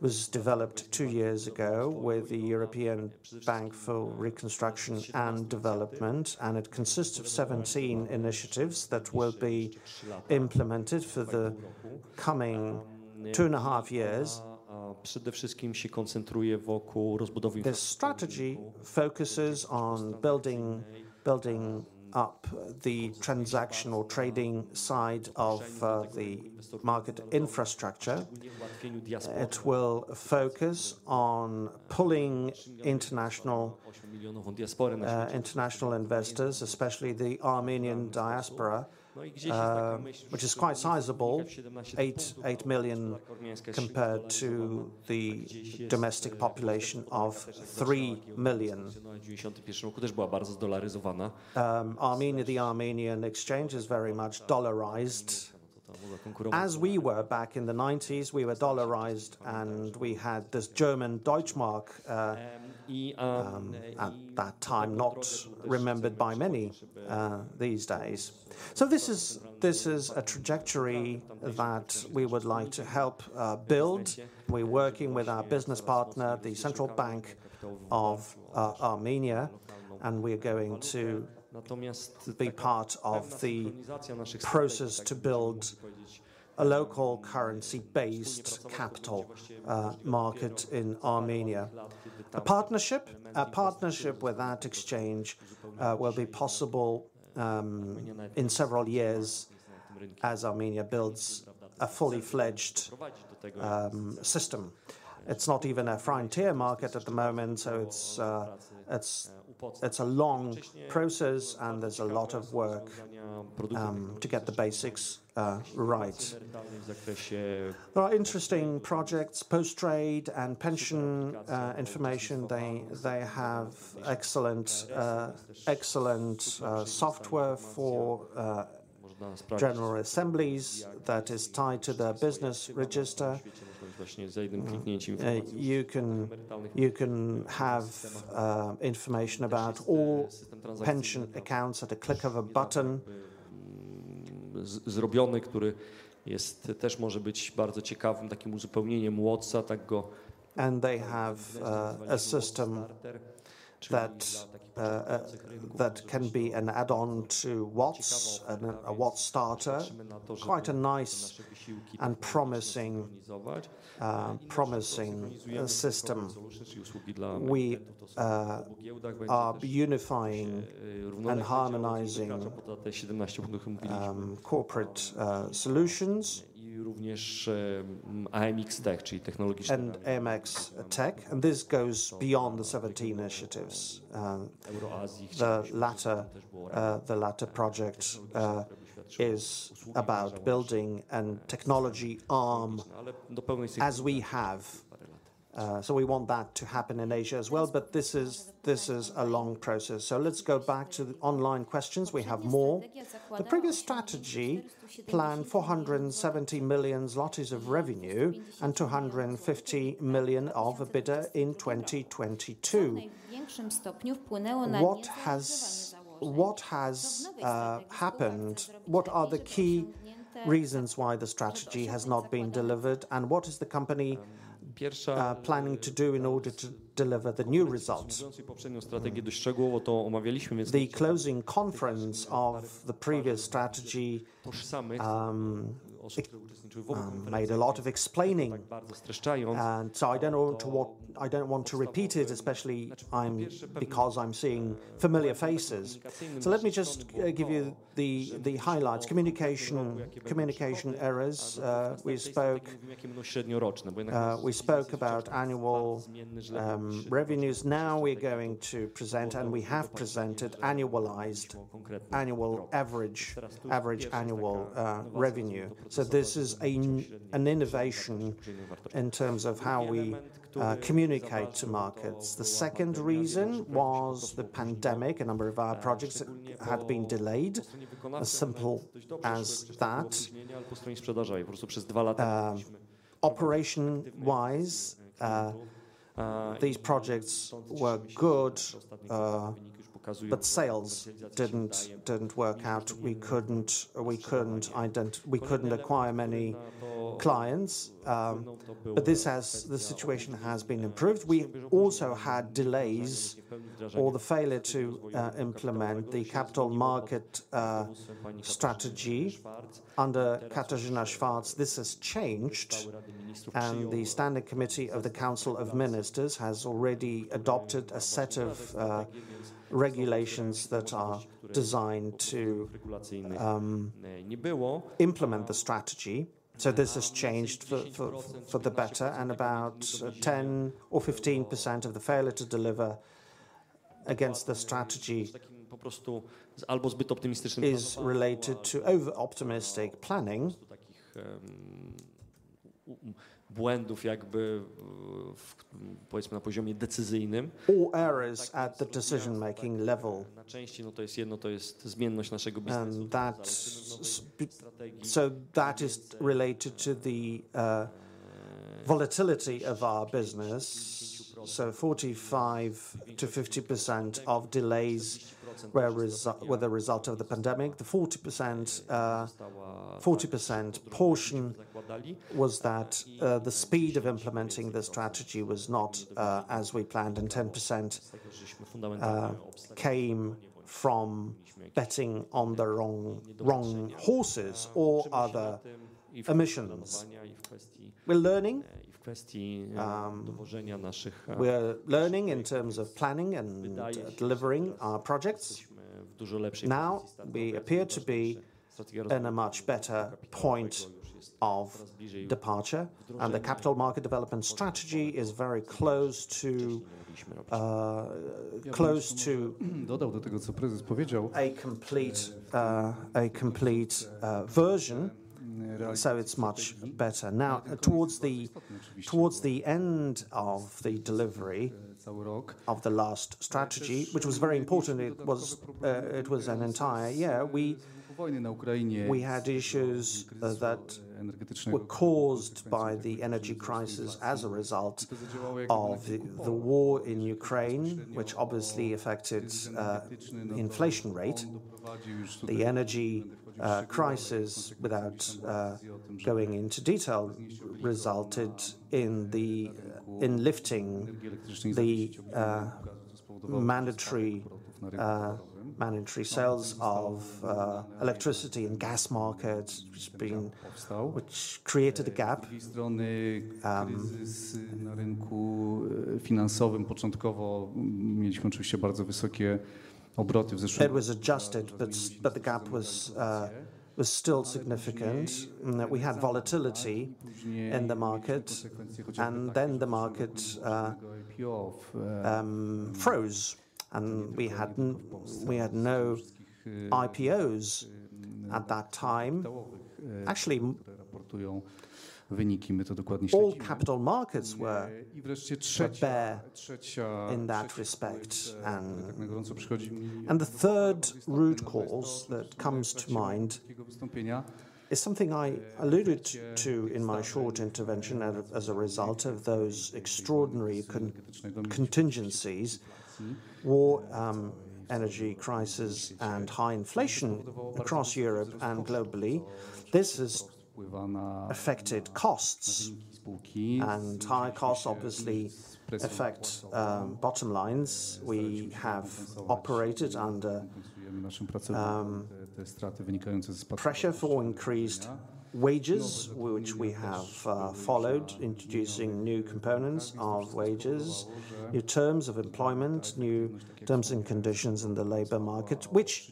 was developed two years ago with the European Bank for Reconstruction and Development. It consists of 17 initiatives that will be implemented for the coming two and a half years. The strategy focuses on building up the transactional trading side of the market infrastructure. It will focus on pulling international international investors, especially the Armenian diaspora, which is quite sizable, 8 million, compared to the domestic population of 3 million. Armenia, the Armenian exchange, is very much dollarized. As we were back in the 1990s, we were dollarized. We had this German Deutsche Mark at that time, not remembered by many these days. This is a trajectory that we would like to help build. We're working with our business partner, the Central Bank of Armenia, and we're going to be part of the process to build a local currency-based capital market in Armenia. A partnership with that exchange will be possible in several years as Armenia builds a fully-fledged system. It's not even a frontier market at the moment, so it's a long process, and there's a lot of work to get the basics right. There are interesting projects, post-trade and pension information. They have excellent excellent software for general assemblies that is tied to their business register. You can have information about all pension accounts at a click of a button. They have a system that can be an add-on to WATS, a WATS starter. Quite a nice and promising system. We are unifying and harmonizing corporate solutions. AMX Tech, this goes beyond the 17 initiatives. The latter project is about building a technology arm as we have. We want that to happen in Asia as well, but this is a long process. Let's go back to the online questions. We have more. The previous strategy planned 470 million zlotys of revenue and 250 million of EBITDA in 2022. What has happened? What are the key reasons why the strategy has not been delivered, and what is the company planning to do in order to deliver the new results? The closing conference of the previous strategy, it made a lot of explaining, I don't want to repeat it, especially because I'm seeing familiar faces. Let me just give you the highlights. Communication, communication errors. We spoke about annual revenues. Now we're going to present, and we have presented, annualized annual average annual revenue. This is an innovation in terms of how we communicate to markets. The second reason was the pandemic. A number of our projects had been delayed, as simple as that. Operation-wise, these projects were good, but sales didn't work out. We couldn't acquire many clients, but the situation has been improved. We also had delays or the failure to implement the capital market strategy. Under Katarzyna Szwarc, this has changed, and the Standing Committee of the Council of Ministers has already adopted a set of regulations that are designed to implement the strategy. This has changed for the better, and about 10% or 15% of the failure to deliver against the strategy is related to over-optimistic planning or errors at the decision-making level. That is related to the volatility of our business. 45%-50% of delays were the result of the pandemic. The 40% portion was that the speed of implementing the strategy was not as we planned, and 10% came from betting on the wrong horses or other omissions. We're learning in terms of planning and delivering our projects. We appear to be in a much better point of departure, the capital market development strategy is very close to a complete version, it's much better. Towards the end of the delivery of the last strategy, which was very important, it was an entire year. We had issues that were caused by the energy crisis as a result of the war in Ukraine, which obviously affected the inflation rate. The energy crisis, without going into detail, resulted in lifting the.... mandatory sales of, electricity and gas markets which created a gap. Um, It was adjusted, but the gap was still significant. We had volatility in the market, and then the market froze, and we had no IPOs at that time. Actually, all capital markets were bare in that respect. The third root cause that comes to mind is something I alluded to in my short intervention as a result of those extraordinary contingencies: war, energy crisis, and high inflation across Europe and globally. This has affected costs, high costs obviously affect bottom lines. We have operated under pressure for increased wages, which we have followed, introducing new components of wages, new terms of employment, new-terms and conditions in the labor market, which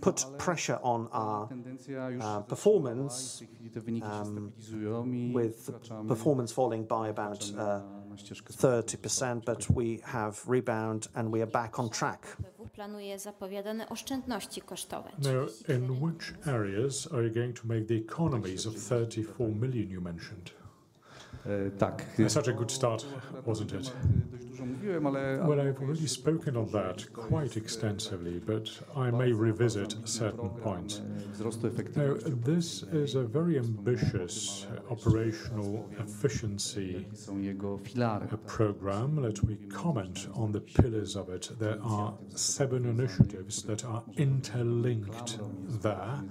put pressure on our performance, with performance falling by about 30%. We have rebound, and we are back on track. Planuje zapowiadane oszczędności kosztowe. Now, in which areas are you going to make the economies of 34 million you mentioned? tak. Such a good start, wasn't it? Well, I've already spoken on that quite extensively, but I may revisit certain points. This is a very ambitious operational efficiency program. Let me comment on the pillars of it. There are seven initiatives that are interlinked there.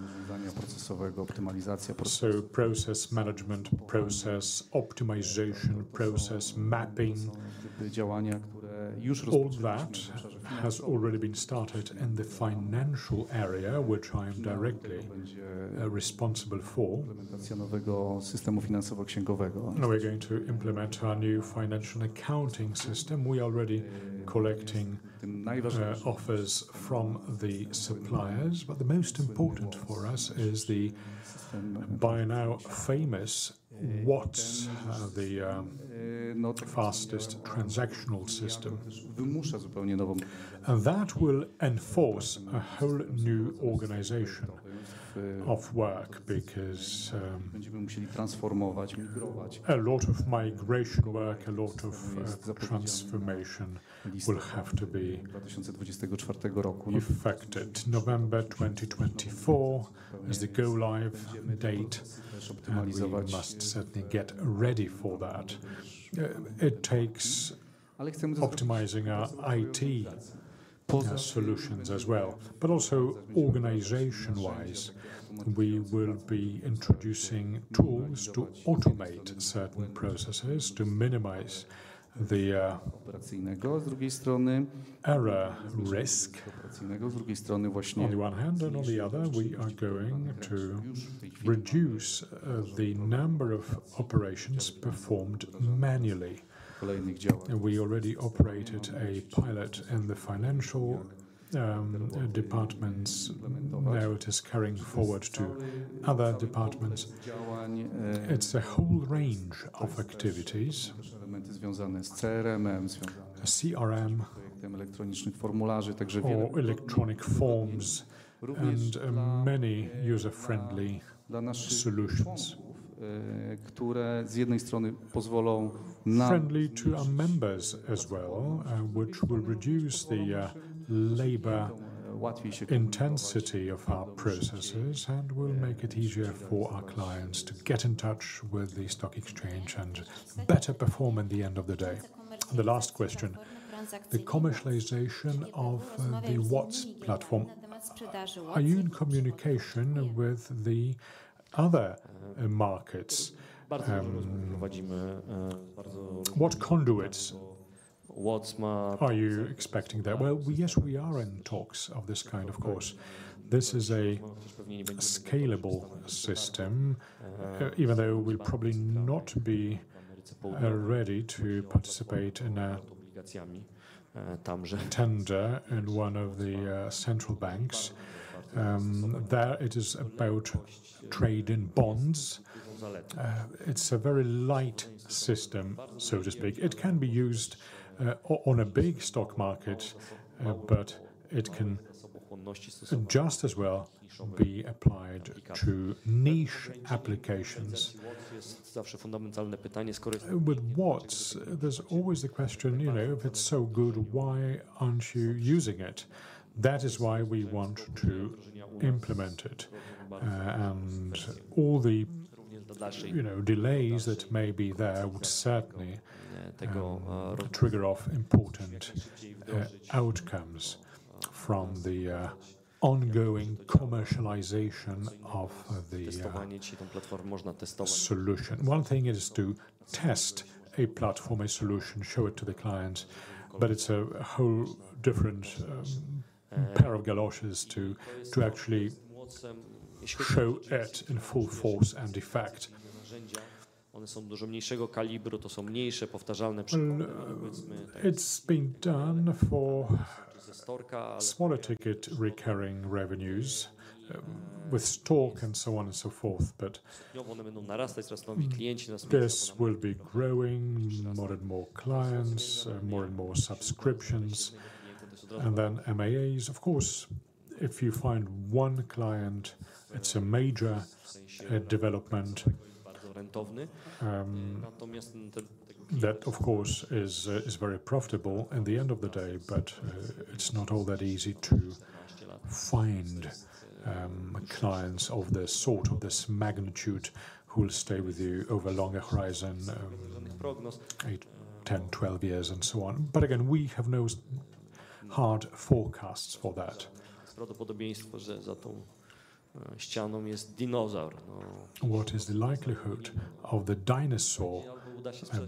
Process management, process optimization, process mapping, all that has already been started in the financial area, which I am directly responsible for. We're going to implement our new financial and accounting system. We are already collecting offers from the suppliers, but the most important for us is the, by now, famous WATS, the fastest transactional system. That will enforce a whole new organization of work because a lot of migration work, a lot of transformation will have to be effected. November 2024 is the go live date, and we must certainly get ready for that. It takes optimizing our IT solutions as well, but also organization-wise, we will be introducing tools to automate certain processes to minimize the error risk, on the one hand, and on the other, we are going to reduce the number of operations performed manually. We already operated a pilot in the financial departments. Now it is carrying forward to other departments. It's a whole range of activities. CRM or electronic forms and many user-friendly solutions. Friendly to our members as well, which will reduce the labor intensity of our processes and will make it easier for our clients to get in touch with the stock exchange and better perform at the end of the day. The last question, the commercialization of the WATS platform. Are you in communication with the other markets? What conduits, WATS, are you expecting there? Well, yes, we are in talks of this kind, of course. This is a scalable system, even though we'll probably not be ready to participate in a tender in one of the central banks. There it is about trade in bonds. It's a very light system, so to speak. It can be used on a big stock market, but it can just as well be applied to niche applications. With WATS, there's always the question, you know, if it's so good, why aren't you using it? That is why we want to implement it. All the, you know, delays that may be there would certainly trigger off important outcomes, from the ongoing commercialization of the solution. One thing is to test a platform, a solution, show it to the client, but it's a whole different pair of galoshes to actually show it in full force and effect. Well, it's been done for smaller ticket recurring revenues with STORK and so on and so forth. This will be growing, more and more clients, more and more subscriptions, and then MAAs. Of course, if you find one client, it's a major development. That of course is very profitable at the end of the day, it's not all that easy to find clients of this sort, of this magnitude, who will stay with you over a longer horizon, eight, 10, 12 years and so on. Again, we have no hard forecasts for that. What is the likelihood of the dinosaur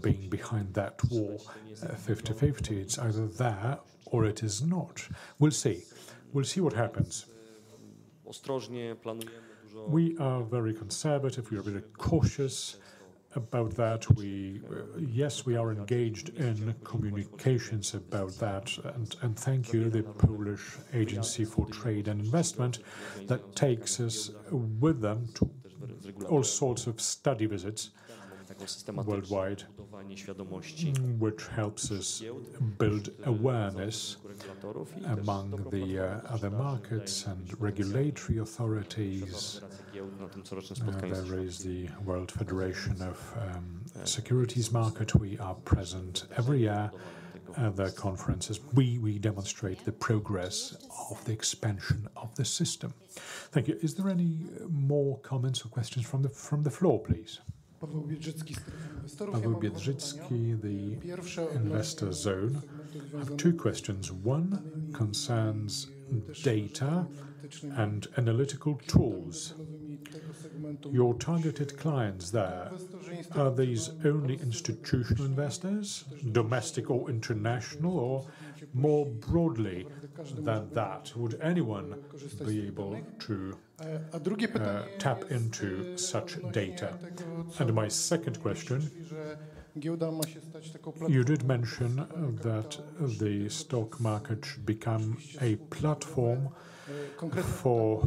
being behind that wall? 50/50. It's either there or it is not. We'll see. We'll see what happens. We are very conservative. We are very cautious about that. Yes, we are engaged in communications about that. Thank you, the Polish Investment and Trade Agency, that takes us with them to all sorts of study visits worldwide, which helps us build awareness among the other markets and regulatory authorities. There is the World Federation of Securities Market. We are present every year at their conferences. We demonstrate the progress of the expansion of the system. Thank you. Is there any more comments or questions from the floor, please? Paweł Biedrzycki. Paweł Biedrzycki, the Investor Zone. I have two questions. One concerns data and analytical tools. Your targeted clients there, are these only institutional investors, domestic or international, or more broadly than that, would anyone be able to tap into such data? My second question, you did mention that the stock market should become a platform for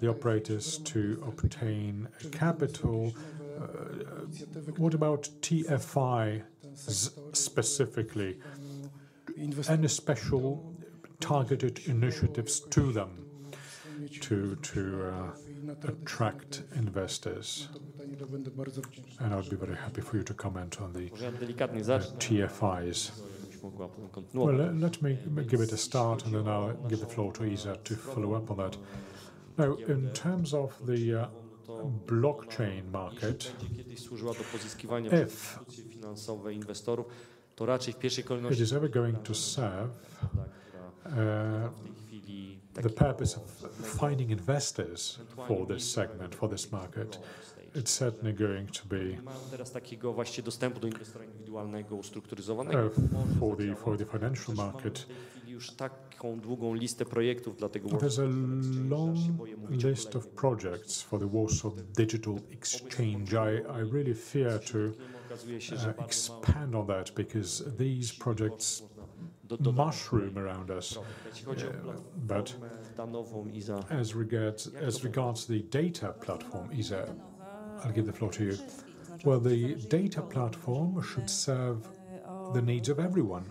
the operators to obtain capital. What about TFIs specifically? Any special targeted initiatives to them to attract investors. I would be very happy for you to comment on the TFIs. Well, let me give it a start, and then I'll give the floor to Iza to follow up on that. In terms of the blockchain market, if it is ever going to serve the purpose of finding investors for this segment, for this market, it's certainly going to be for the financial market. There's a long list of projects for the Warsaw Digital Exchange. I really fear to expand on that because these projects mushroom around us. As regards the data platform, Iza, I'll give the floor to you. Well, the data platform should serve the needs of everyone.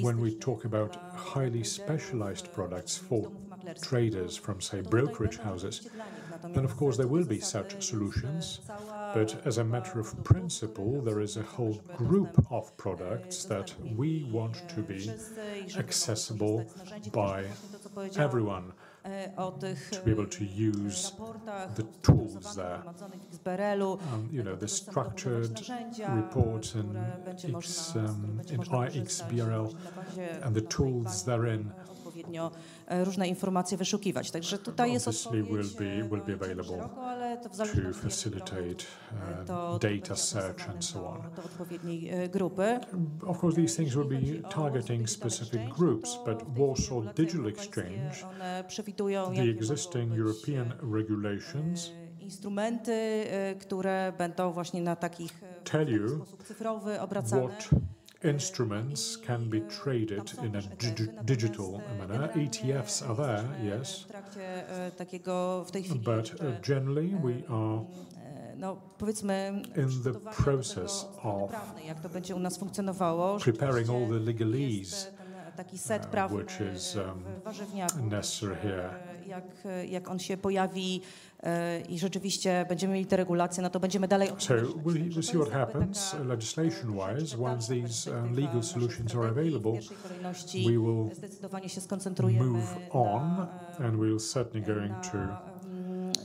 When we talk about highly specialized products for traders from, say, brokerage houses, then of course there will be such solutions. As a matter of principle, there is a whole group of products that we want to be accessible by everyone to be able to use the tools there. you know, the structured report and its in iXBRL, and the tools therein obviously will be available to facilitate data search and so on. Of course, these things will be targeting specific groups, Warsaw Digital Exchange, the existing European regulations tell you what instruments can be traded in a digital manner. ETFs are there, yes, but generally, we are in the process of preparing all the legalese, which is necessary here. We'll, we'll see what happens legislation-wise. Once these legal solutions are available, we will move on, and we're certainly going to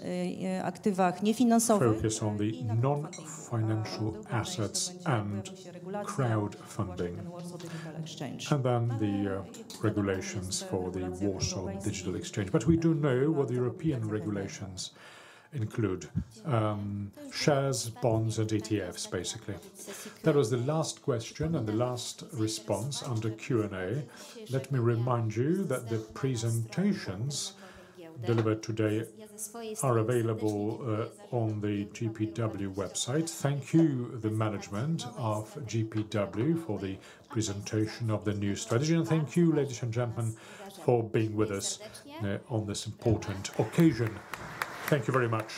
focus on the non-financial assets and crowdfunding, and then the regulations for the Warsaw Digital Exchange. We do know what the European regulations include, shares, bonds, and ETFs, basically. That was the last question and the last response on the Q&A. Let me remind you that the presentations delivered today are available on the GPW website. Thank you, the management of GPW, for the presentation of the new strategy. Thank you, ladies and gentlemen, for being with us on this important occasion. Thank you very much.